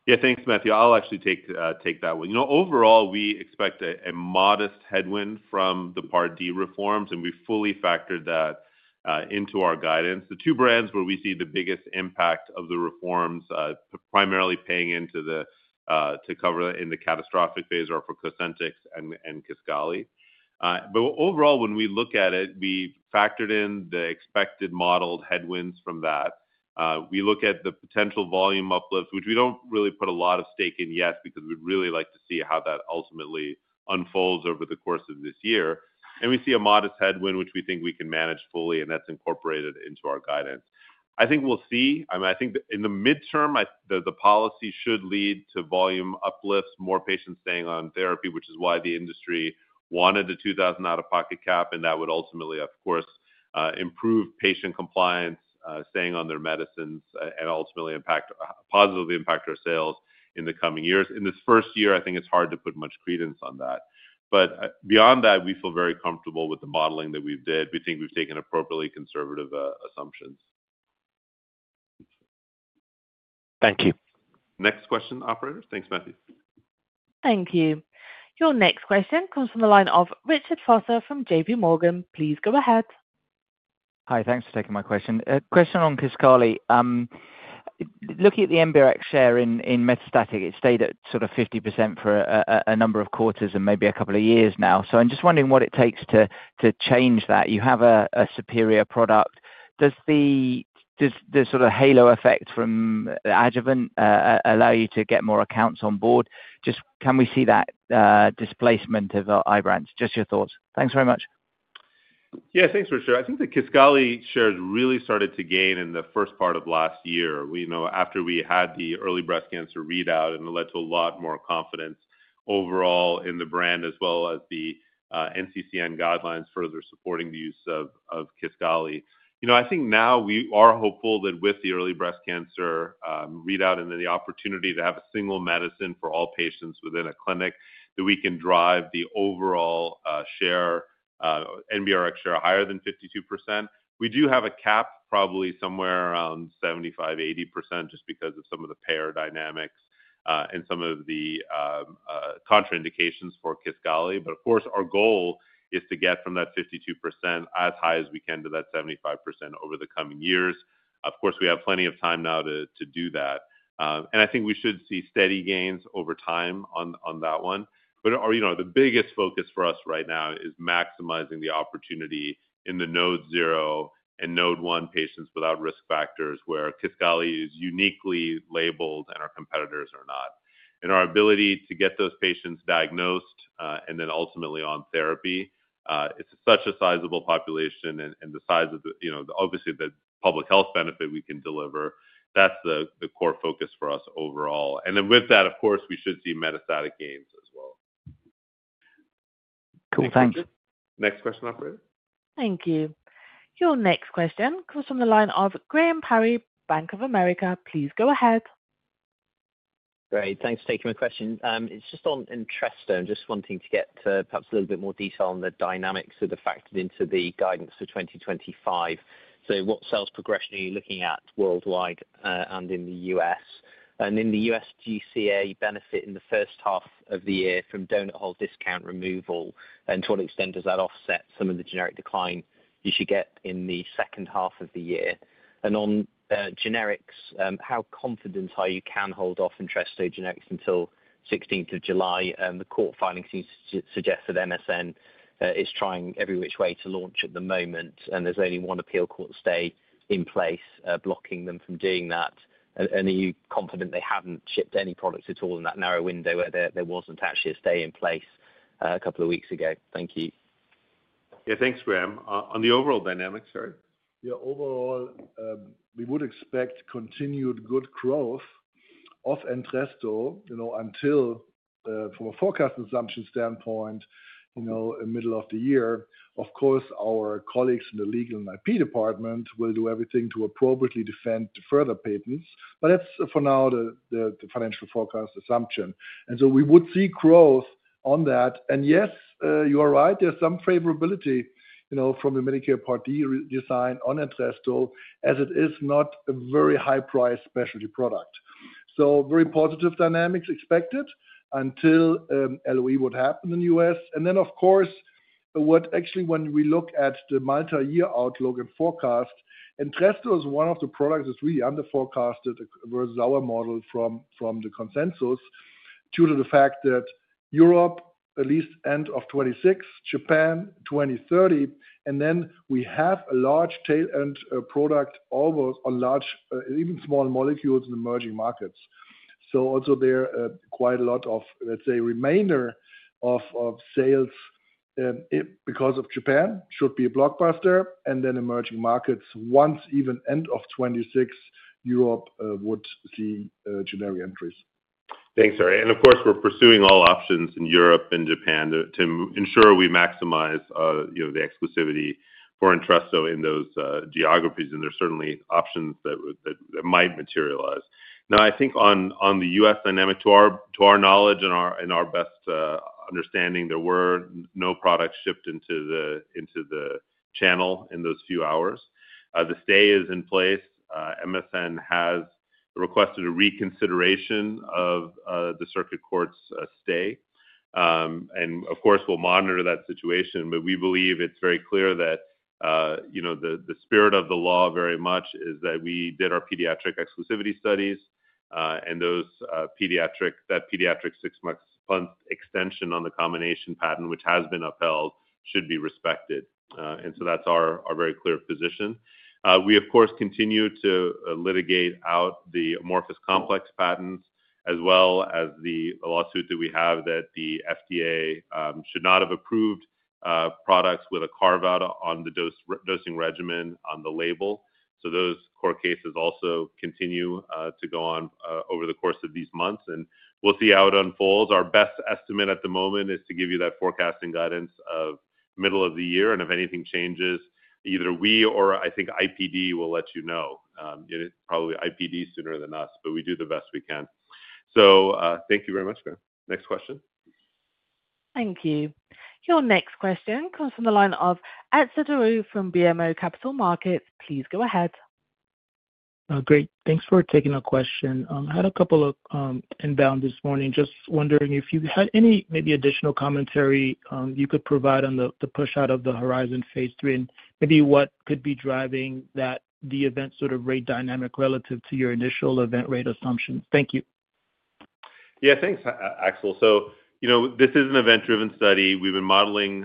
Yeah, thanks, Matthew. I'll actually take that one. Overall, we expect a modest headwind from the Part D reforms. And we fully factored that into our guidance. The two brands where we see the biggest impact of the reforms primarily paying into the to cover in the catastrophic phase are for Cosentyx and Kisqali. But overall, when we look at it, we factored in the expected modeled headwinds from that. We look at the potential volume uplift, which we don't really put a lot of stake in yet because we'd really like to see how that ultimately unfolds over the course of this year. And we see a modest headwind, which we think we can manage fully. And that's incorporated into our guidance. I think we'll see. I mean, I think in the midterm, the policy should lead to volume uplifts, more patients staying on therapy, which is why the industry wanted the $2,000-out-of-pocket cap. That would ultimately, of course, improve patient compliance, staying on their medicines, and ultimately positively impact our sales in the coming years. In this first year, I think it's hard to put much credence on that. But beyond that, we feel very comfortable with the modeling that we've did. We think we've taken appropriately conservative assumptions. Thank you. Next question, Operator. Thanks, Matthew. Thank you. Your next question comes from the line of Richard Vosser from J.P. Morgan. Please go ahead. Hi. Thanks for taking my question. Question on Kisqali. Looking at the NBRx share in metastatic, it stayed at sort of 50% for a number of quarters and maybe a couple of years now. So I'm just wondering what it takes to change that. You have a superior product. Does the sort of halo effect from adjuvant allow you to get more accounts on board? Just, can we see that displacement of Ibrance? Just your thoughts. Thanks very much. Yeah, thanks, Richard. I think the Kisqali shares really started to gain in the first part of last year after we had the early breast cancer readout and led to a lot more confidence overall in the brand as well as the NCCN guidelines further supporting the use of Kisqali. I think now we are hopeful that with the early breast cancer readout and then the opportunity to have a single medicine for all patients within a clinic, that we can drive the overall share, NBRx share, higher than 52%. We do have a cap probably somewhere around 75%-80% just because of some of the payer dynamics and some of the contraindications for Kisqali. But of course, our goal is to get from that 52% as high as we can to that 75% over the coming years. Of course, we have plenty of time now to do that. And I think we should see steady gains over time on that one. But the biggest focus for us right now is maximizing the opportunity in the node zero and node one patients without risk factors where Kisqali is uniquely labeled and our competitors are not. And our ability to get those patients diagnosed and then ultimately on therapy, it's such a sizable population. And the size of, obviously, the public health benefit we can deliver, that's the core focus for us overall. And then with that, of course, we should see metastatic gains as well. Cool. Thanks. Next question, Operator. Thank you. Your next question comes from the line of Graham Parry, Bank of America. Please go ahead. Great. Thanks for taking my question. It's just on Entresto. Just wanting to get perhaps a little bit more detail on the dynamics that are factored into the guidance for 2025. So what sales progression are you looking at worldwide and in the U.S.? And in the U.S., do you see a benefit in the first half of the year from donut hole discount removal? And to what extent does that offset some of the generic decline you should get in the second half of the year? And on generics, how confident are you can hold off Entresto generics until 16th of July? The court filing seems to suggest that MSN is trying every which way to launch at the moment. And there's only one appeal court stay in place blocking them from doing that. And are you confident they haven't shipped any products at all in that narrow window where there wasn't actually a stay in place a couple of weeks ago? Thank you. Yeah, thanks, Graham. On the overall dynamics, Harry? Yeah. Overall, we would expect continued good growth of Entresto until from a forecast assumption standpoint in the middle of the year. Of course, our colleagues in the legal and IP department will do everything to appropriately defend further patents. But that's for now the financial forecast assumption. And so we would see growth on that. And yes, you are right. There's some favorability from the Medicare Part D design on Entresto as it is not a very high-priced specialty product. So very positive dynamics expected until LOE would happen in the U.S. And then, of course, actually, when we look at the multi-year outlook and forecast, Entresto is one of the products that's really underforecasted versus our model from the consensus due to the fact that Europe, at least end of 2026, Japan, 2030. Then we have a large tail-end product almost on large, even small molecules in emerging markets. So also there, quite a lot of, let's say, remainder of sales because of Japan should be a blockbuster. Then emerging markets, once even end of 2026, Europe would see generic entries. Thanks, Harry. Of course, we're pursuing all options in Europe and Japan to ensure we maximize the exclusivity for Entresto in those geographies. There's certainly options that might materialize. Now, I think on the U.S. dynamic, to our knowledge and our best understanding, there were no products shipped into the channel in those few hours. The stay is in place. MSN has requested a reconsideration of the circuit court's stay. Of course, we'll monitor that situation. But we believe it's very clear that the spirit of the law very much is that we did our pediatric exclusivity studies. That pediatric six-month extension on the combination patent, which has been upheld, should be respected. So that's our very clear position. We, of course, continue to litigate out the amorphous complex patents as well as the lawsuit that we have that the FDA should not have approved products with a carve-out on the dosing regimen on the label. Those court cases also continue to go on over the course of these months. We'll see how it unfolds. Our best estimate at the moment is to give you that forecasting guidance of middle of the year. And if anything changes, either we or, I think, IPD will let you know. Probably IPD sooner than us. But we do the best we can. So thank you very much, Graham. Next question. Thank you. Your next question comes from the line of Etzer Darout from BMO Capital Markets. Please go ahead. Great. Thanks for taking a question. I had a couple of inbound this morning. Just wondering if you had any maybe additional commentary you could provide on the push out of the Horizon phase III and maybe what could be driving the event sort of rate dynamic relative to your initial event rate assumptions. Thank you. Yeah, thanks, Etzer. So this is an event-driven study. We've been modeling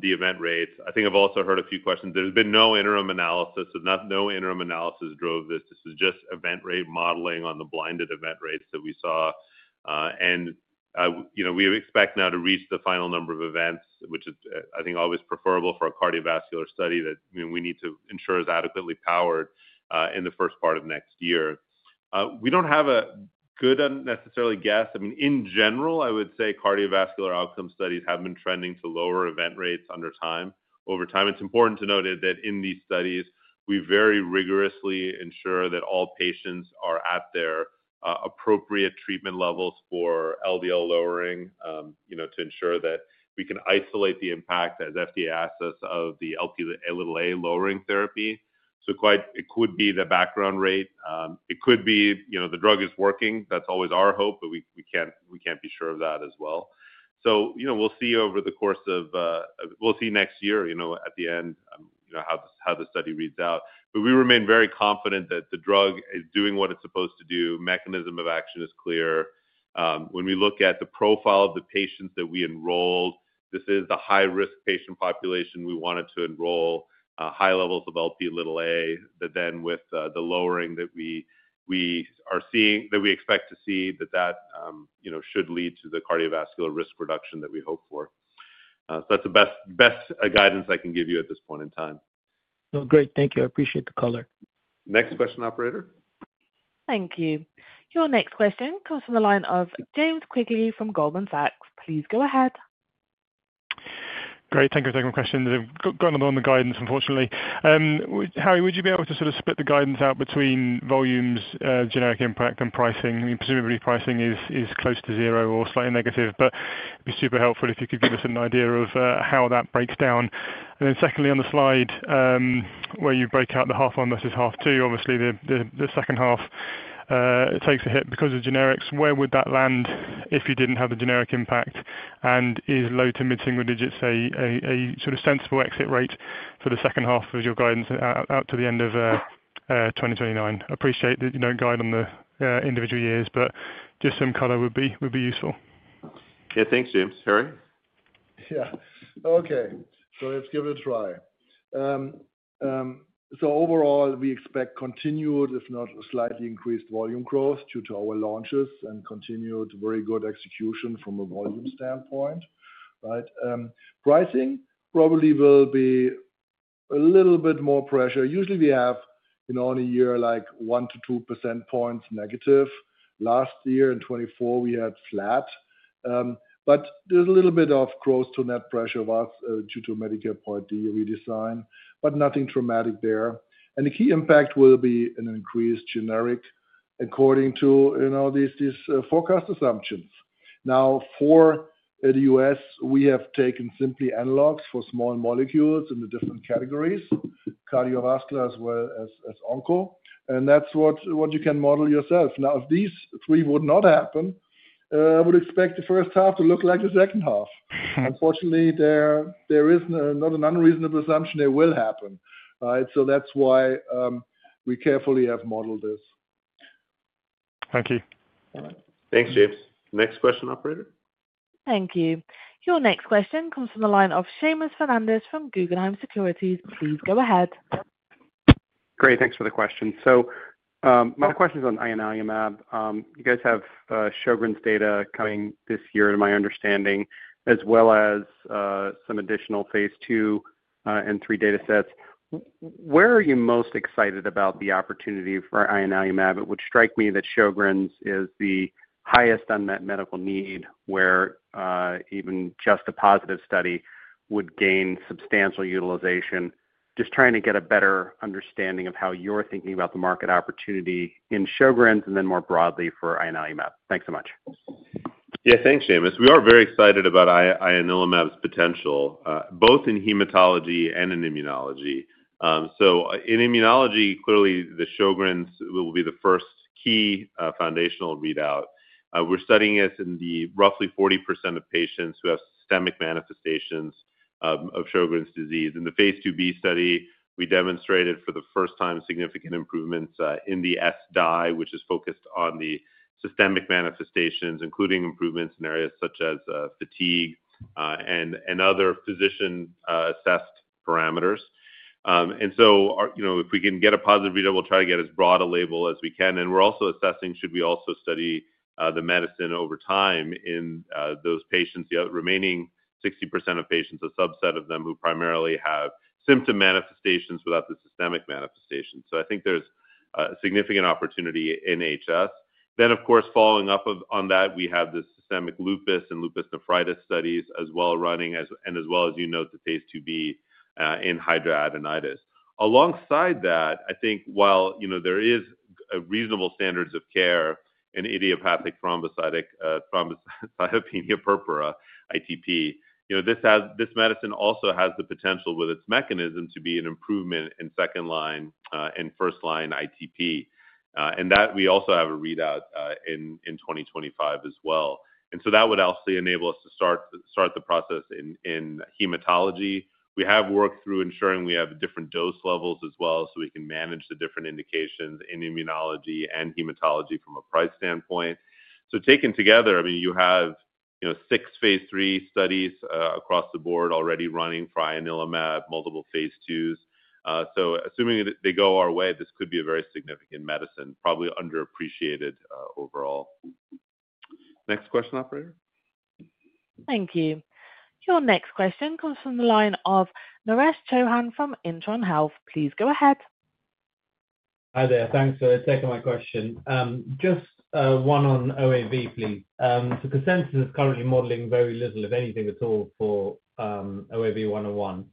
the event rates. I think I've also heard a few questions. There's been no interim analysis. No interim analysis drove this. This was just event rate modeling on the blinded event rates that we saw. And we expect now to reach the final number of events, which is, I think, always preferable for a cardiovascular study that we need to ensure is adequately powered in the first part of next year. We don't have a good, unnecessary guess. I mean, in general, I would say cardiovascular outcome studies have been trending to lower event rates over time. It's important to note that in these studies, we very rigorously ensure that all patients are at their appropriate treatment levels for LDL lowering to ensure that we can isolate the impact, as FDA asks us, of the Lp(a) lowering therapy. So it could be the background rate. It could be the drug is working. That's always our hope. But we can't be sure of that as well. So we'll see over the course of next year at the end how the study reads out. But we remain very confident that the drug is doing what it's supposed to do. Mechanism of action is clear. When we look at the profile of the patients that we enrolled, this is the high-risk patient population we wanted to enroll, high levels of Lp(a) that then with the lowering that we are seeing that we expect to see that should lead to the cardiovascular risk reduction that we hope for. So that's the best guidance I can give you at this point in time. Great. Thank you. I appreciate the color. Next question, Operator. Thank you. Your next question comes from the line of James Quigley from Goldman Sachs. Please go ahead. Great. Thank you for taking my question. Going along the guidance, unfortunately. Harry, would you be able to sort of split the guidance out between volumes, generic impact, and pricing? I mean, presumably, pricing is close to zero or slightly negative. But it'd be super helpful if you could give us an idea of how that breaks down. And then secondly, on the slide where you break out the half one versus half two, obviously, the second half takes a hit because of generics. Where would that land if you didn't have the generic impact? And is low to mid-single digits, say, a sort of sensible exit rate for the second half of your guidance out to the end of 2029? Appreciate that you don't guide on the individual years. But just some color would be useful. Yeah, thanks, James. Harry? Yeah. Okay. So let's give it a try. So overall, we expect continued, if not slightly increased volume growth due to our launches and continued very good execution from a volume standpoint. Right? Pricing probably will be a little bit more pressure. Usually, we have in only a year like 1 to 2 percentage points negative. Last year in 2024, we had flat. But there's a little bit of gross to net pressure due to Medicare Part D redesign. But nothing traumatic there. And the key impact will be an increased generic according to these forecast assumptions. Now, for the U.S., we have taken simply analogs for small molecules in the different categories, cardiovascular as well as onco. And that's what you can model yourself. Now, if these three would not happen, I would expect the first half to look like the second half. Unfortunately, there is not an unreasonable assumption they will happen. Right? So that's why we carefully have modeled this. Thank you. All right. Thanks, James. Next question, Operator. Thank you. Your next question comes from the line of Seamus Fernandez from Guggenheim Securities. Please go ahead. Great. Thanks for the question. So my question is on Ianalumab. You guys have Sjögren's data coming this year, to my understanding, as well as some additional phase II and III data sets. Where are you most excited about the opportunity for Ianalumab? It would strike me that Sjögren's is the highest unmet medical need where even just a positive study would gain substantial utilization. Just trying to get a better understanding of how you're thinking about the market opportunity in Sjögren's and then more broadly for Ianalumab. Thanks so much. Yeah, thanks, Seamus. We are very excited about Ianalumab's potential, both in hematology and in immunology. In immunology, clearly, the Sjögren's will be the first key foundational readout. We're studying this in roughly 40% of patients who have systemic manifestations of Sjögren's disease. In the phase II-B study, we demonstrated for the first time significant improvements in the S-dye, which is focused on the systemic manifestations, including improvements in areas such as fatigue and other physician-assessed parameters. And so if we can get a positive readout, we'll try to get as broad a label as we can. And we're also assessing should we also study the medicine over time in those patients, the remaining 60% of patients, a subset of them who primarily have symptom manifestations without the systemic manifestations. So I think there's a significant opportunity in HS. Then, of course, following up on that, we have the systemic lupus and lupus nephritis studies as well running, and as well as, you know, the phase II-B in Hidradenitis. Alongside that, I think while there are reasonable standards of care in idiopathic thrombocytopenic purpura, ITP, this medicine also has the potential with its mechanism to be an improvement in second-line and first-line ITP. And that we also have a readout in 2025 as well. And so that would also enable us to start the process in hematology. We have worked through ensuring we have different dose levels as well so we can manage the different indications in immunology and hematology from a price standpoint. So taken together, I mean, you have six phase III studies across the board already running for Ianalumab, multiple phase II's. So assuming that they go our way, this could be a very significant medicine, probably underappreciated overall. Next question, Operator. Thank you. Your next question comes from the line of Naresh Chouhan from Intron Health. Please go ahead. Hi there. Thanks for taking my question. Just one on OAV, please. So consensus is currently modeling very little, if anything at all, for OAV101.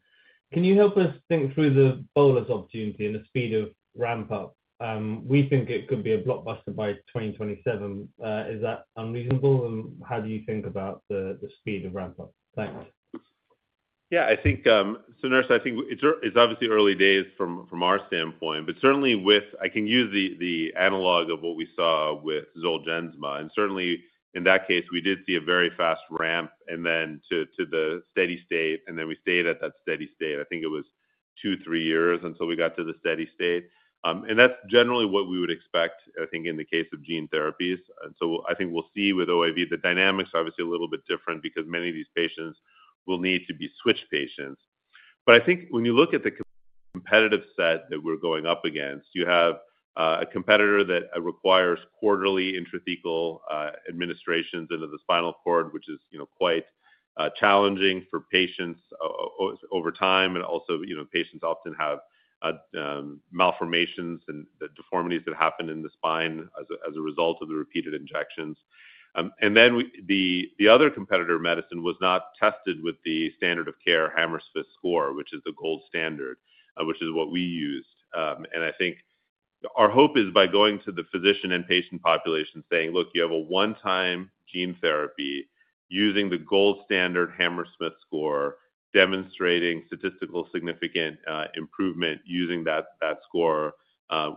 Can you help us think through the bolus opportunity and the speed of ramp-up? We think it could be a blockbuster by 2027. Is that unreasonable? And how do you think about the speed of ramp-up? Thanks. Yeah. So Naresh, I think it's obviously early days from our standpoint. But certainly, I can use the analog of what we saw with Zolgensma. And certainly, in that case, we did see a very fast ramp and then to the steady state. Then we stayed at that steady state. I think it was two, three years until we got to the steady state. That's generally what we would expect, I think, in the case of gene therapies. So I think we'll see with OAV, the dynamics are obviously a little bit different because many of these patients will need to be switch patients. But I think when you look at the competitive set that we're going up against, you have a competitor that requires quarterly intrathecal administrations into the spinal cord, which is quite challenging for patients over time. Also, patients often have malformations and deformities that happen in the spine as a result of the repeated injections. Then the other competitor medicine was not tested with the standard of care Hammersmith score, which is the gold standard, which is what we used. I think our hope is by going to the physician and patient population saying, "Look, you have a one-time gene therapy using the gold standard Hammersmith score, demonstrating statistically significant improvement using that score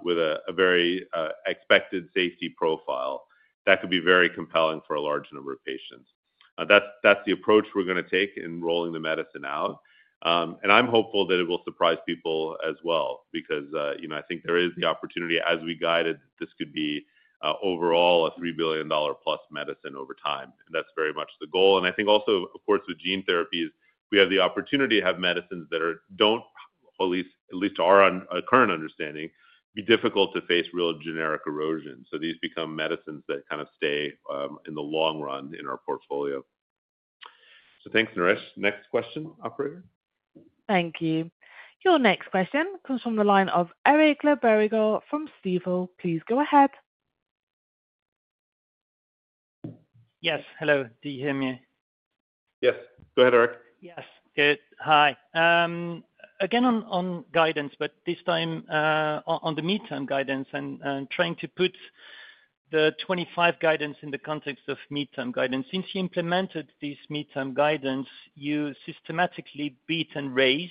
with a very expected safety profile," that could be very compelling for a large number of patients. That's the approach we're going to take in rolling the medicine out. I'm hopeful that it will surprise people as well because I think there is the opportunity, as we guided, that this could be overall a $3 billion-plus medicine over time. That's very much the goal. I think also, of course, with gene therapies, we have the opportunity to have medicines that don't, at least to our current understanding, be difficult to face real generic erosion. These become medicines that kind of stay in the long run in our portfolio. So thanks, Naresh. Next question, Operator. Thank you. Your next question comes from the line of Eric Le Berrigaud from Stifel. Please go ahead. Yes. Hello. Do you hear me? Yes. Go ahead, Eric. Yes. Good. Hi. Again, on guidance, but this time on the mid-term guidance and trying to put the 2025 guidance in the context of mid-term guidance. Since you implemented this mid-term guidance, you systematically beat and raise.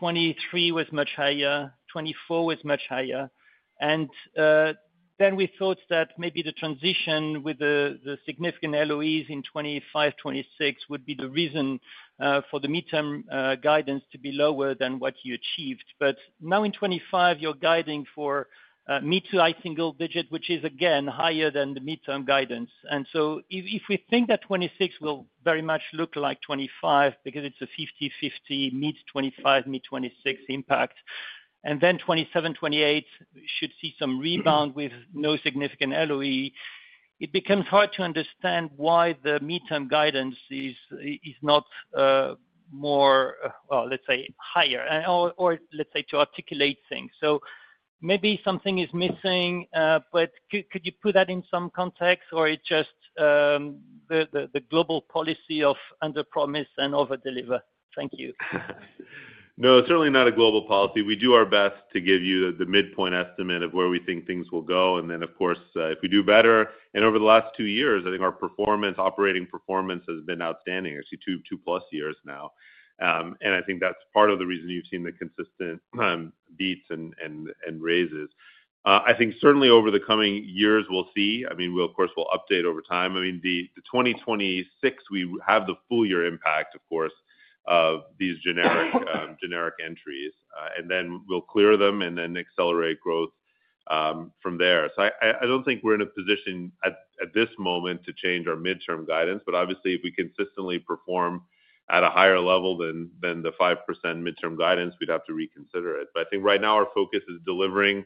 2023 was much higher. 2024 was much higher. And then we thought that maybe the transition with the significant LOEs in 2025, 2026 would be the reason for the mid-term guidance to be lower than what you achieved. But now in 2025, you're guiding for mid- to high-single-digit, which is, again, higher than the mid-term guidance. And so if we think that 2026 will very much look like 2025 because it's a 50/50 mid-2025, mid-2026 impact, and then 2027, 2028 should see some rebound with no significant LOE, it becomes hard to understand why the mid-term guidance is not more, well, let's say, higher or, let's say, to articulate things. So maybe something is missing. But could you put that in some context? Or it's just the global policy of underpromise and overdeliver? Thank you. No, certainly not a global policy. We do our best to give you the midpoint estimate of where we think things will go. And then, of course, if we do better and over the last two years, I think our performance, operating performance, has been outstanding. It's two-plus years now. And I think that's part of the reason you've seen the consistent beats and raises. I think certainly over the coming years, we'll see. I mean, of course, we'll update over time. I mean, the 2026, we have the full year impact, of course, of these generic entries. And then we'll clear them and then accelerate growth from there. So I don't think we're in a position at this moment to change our mid-term guidance. But obviously, if we consistently perform at a higher level than the 5% mid-term guidance, we'd have to reconsider it. But I think right now our focus is delivering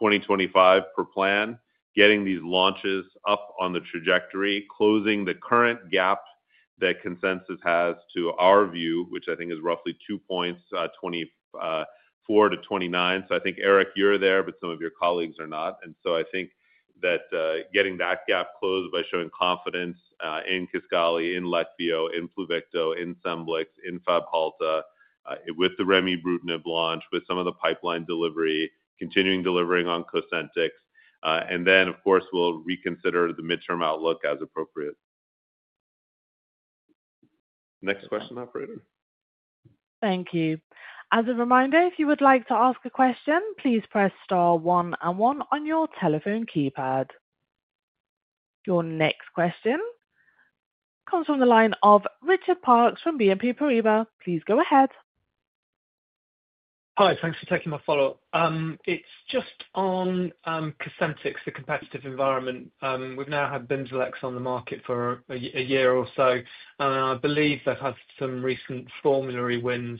2025 per plan, getting these launches up on the trajectory, closing the current gap that Cosentyx has, to our view, which I think is roughly 2 points, 24-29. So I think, Eric, you're there, but some of your colleagues are not. And so I think that getting that gap closed by showing confidence in Kisqali, in Leqvio, in Pluvicto, in Scemblix, in Fabhalta, with the Remibrutinib launch, with some of the pipeline delivery, continuing delivering on Cosentyx. And then, of course, we'll reconsider the mid-term outlook as appropriate. Next question, Operator. Thank you. As a reminder, if you would like to ask a question, please press star one and one on your telephone keypad. Your next question comes from the line of Richard Parkes from BNP Paribas. Please go ahead. Hi. Thanks for taking my follow-up. It's just on Cosentyx, the competitive environment. We've now had Bimzelx on the market for a year or so. And I believe they've had some recent formulary wins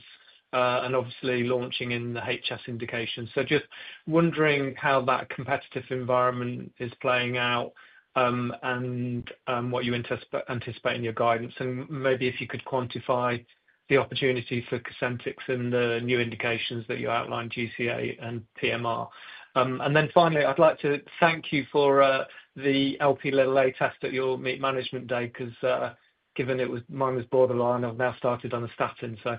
and obviously launching in the HS indication. So just wondering how that competitive environment is playing out and what you anticipate in your guidance. Maybe if you could quantify the opportunity for Cosentyx and the new indications that you outlined, GCA and PMR. And then finally, I'd like to thank you for the Lp(a) test at your management day because given mine was borderline, I've now started on a statin. So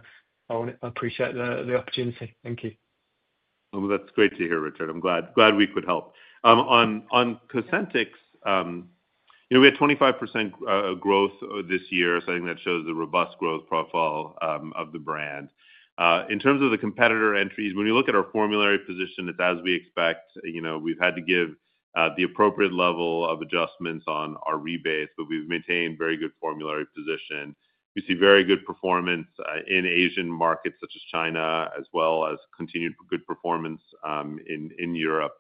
I appreciate the opportunity. Thank you. Well, that's great to hear, Richard. I'm glad we could help. On Cosentyx, we had 25% growth this year. So I think that shows the robust growth profile of the brand. In terms of the competitor entries, when you look at our formulary position, it's as we expect. We've had to give the appropriate level of adjustments on our rebates, but we've maintained very good formulary position. We see very good performance in Asian markets such as China, as well as continued good performance in Europe.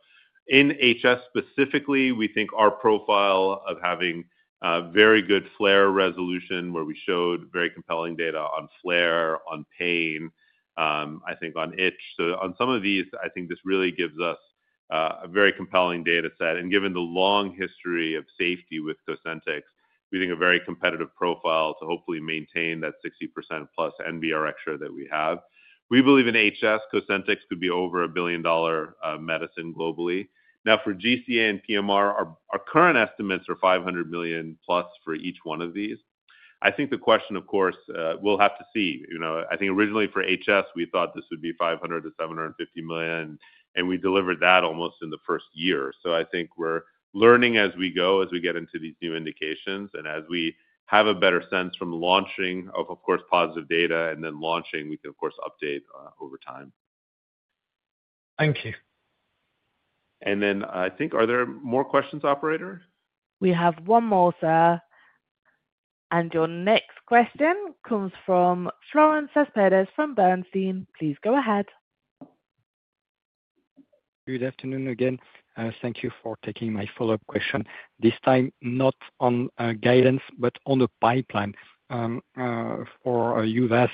In HS specifically, we think our profile of having very good flare resolution, where we showed very compelling data on flare, on pain, I think on itch. So on some of these, I think this really gives us a very compelling data set. And given the long history of safety with Cosentyx, we think a very competitive profile to hopefully maintain that 60% plus NBRx that we have. We believe in HS, Cosentyx could be over a billion dollar medicine globally. Now, for GCA and PMR, our current estimates are 500 million-plus for each one of these. I think the question, of course, we'll have to see. I think originally for HS, we thought this would be 500-750 million. And we delivered that almost in the first year. So I think we're learning as we go, as we get into these new indications. And as we have a better sense from launching, of course, positive data and then launching, we can, of course, update over time. Thank you. And then I think are there more questions, Operator? We have one more, sir. And your next question comes from Florent Cespedes from Bernstein. Please go ahead. Good afternoon again. Thank you for taking my follow-up question. This time, not on guidance, but on the pipeline for U.S.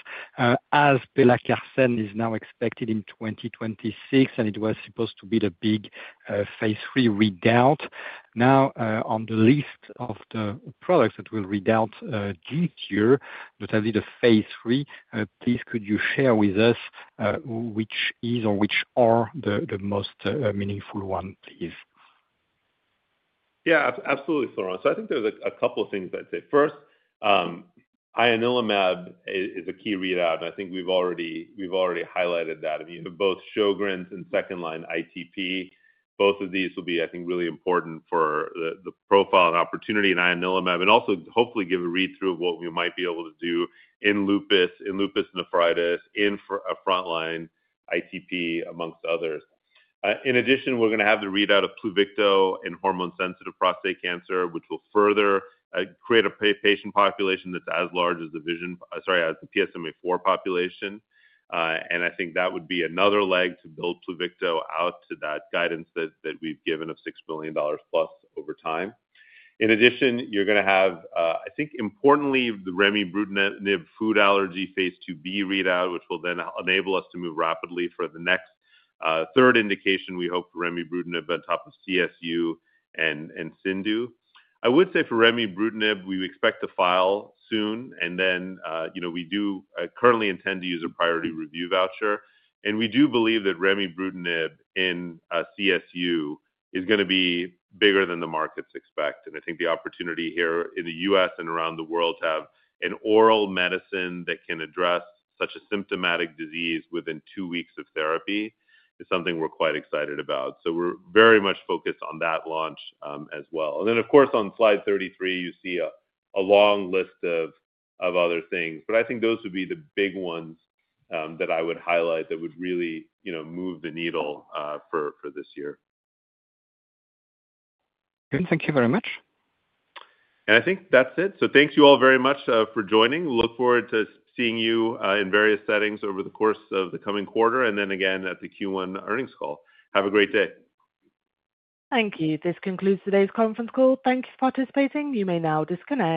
as pelacarsen is now expected in 2026, and it was supposed to be the big phase III readout. Now, on the list of the products that will readout this year, that will be the phase III, please could you share with us which is or which are the most meaningful one, please? Yeah, absolutely, Florent. So I think there's a couple of things I'd say. First, Ianalumab is a key readout. I think we've already highlighted that. I mean, both Sjögren's and second-line ITP, both of these will be, I think, really important for the profile and opportunity in Ianalumab and also hopefully give a read-through of what we might be able to do in lupus, in lupus nephritis, in front-line ITP, among others. In addition, we're going to have the readout of Pluvicto in hormone-sensitive prostate cancer, which will further create a patient population that's as large as the PSMA population. I think that would be another leg to build Pluvicto out to that guidance that we've given of $6 billion-plus over time. In addition, you're going to have, I think, importantly, the Remibrutinib food allergy phase II-B readout, which will then enable us to move rapidly for the next third indication. We hope for Remibrutinib on top of CSU and CIndU. I would say for Remibrutinib, we expect to file soon. And then we do currently intend to use a priority review voucher. And we do believe that Remibrutinib in CSU is going to be bigger than the markets expect. And I think the opportunity here in the U.S. and around the world to have an oral medicine that can address such a symptomatic disease within two weeks of therapy is something we're quite excited about. So we're very much focused on that launch as well. And then, of course, on slide 33, you see a long list of other things. But I think those would be the big ones that I would highlight that would really move the needle for this year. Thank you very much. And I think that's it. So thank you all very much for joining. Look forward to seeing you in various settings over the course of the coming quarter and then, again, at the Q1 earnings call. Have a great day. Thank you. This concludes today's conference call. Thank you for participating. You may now disconnect.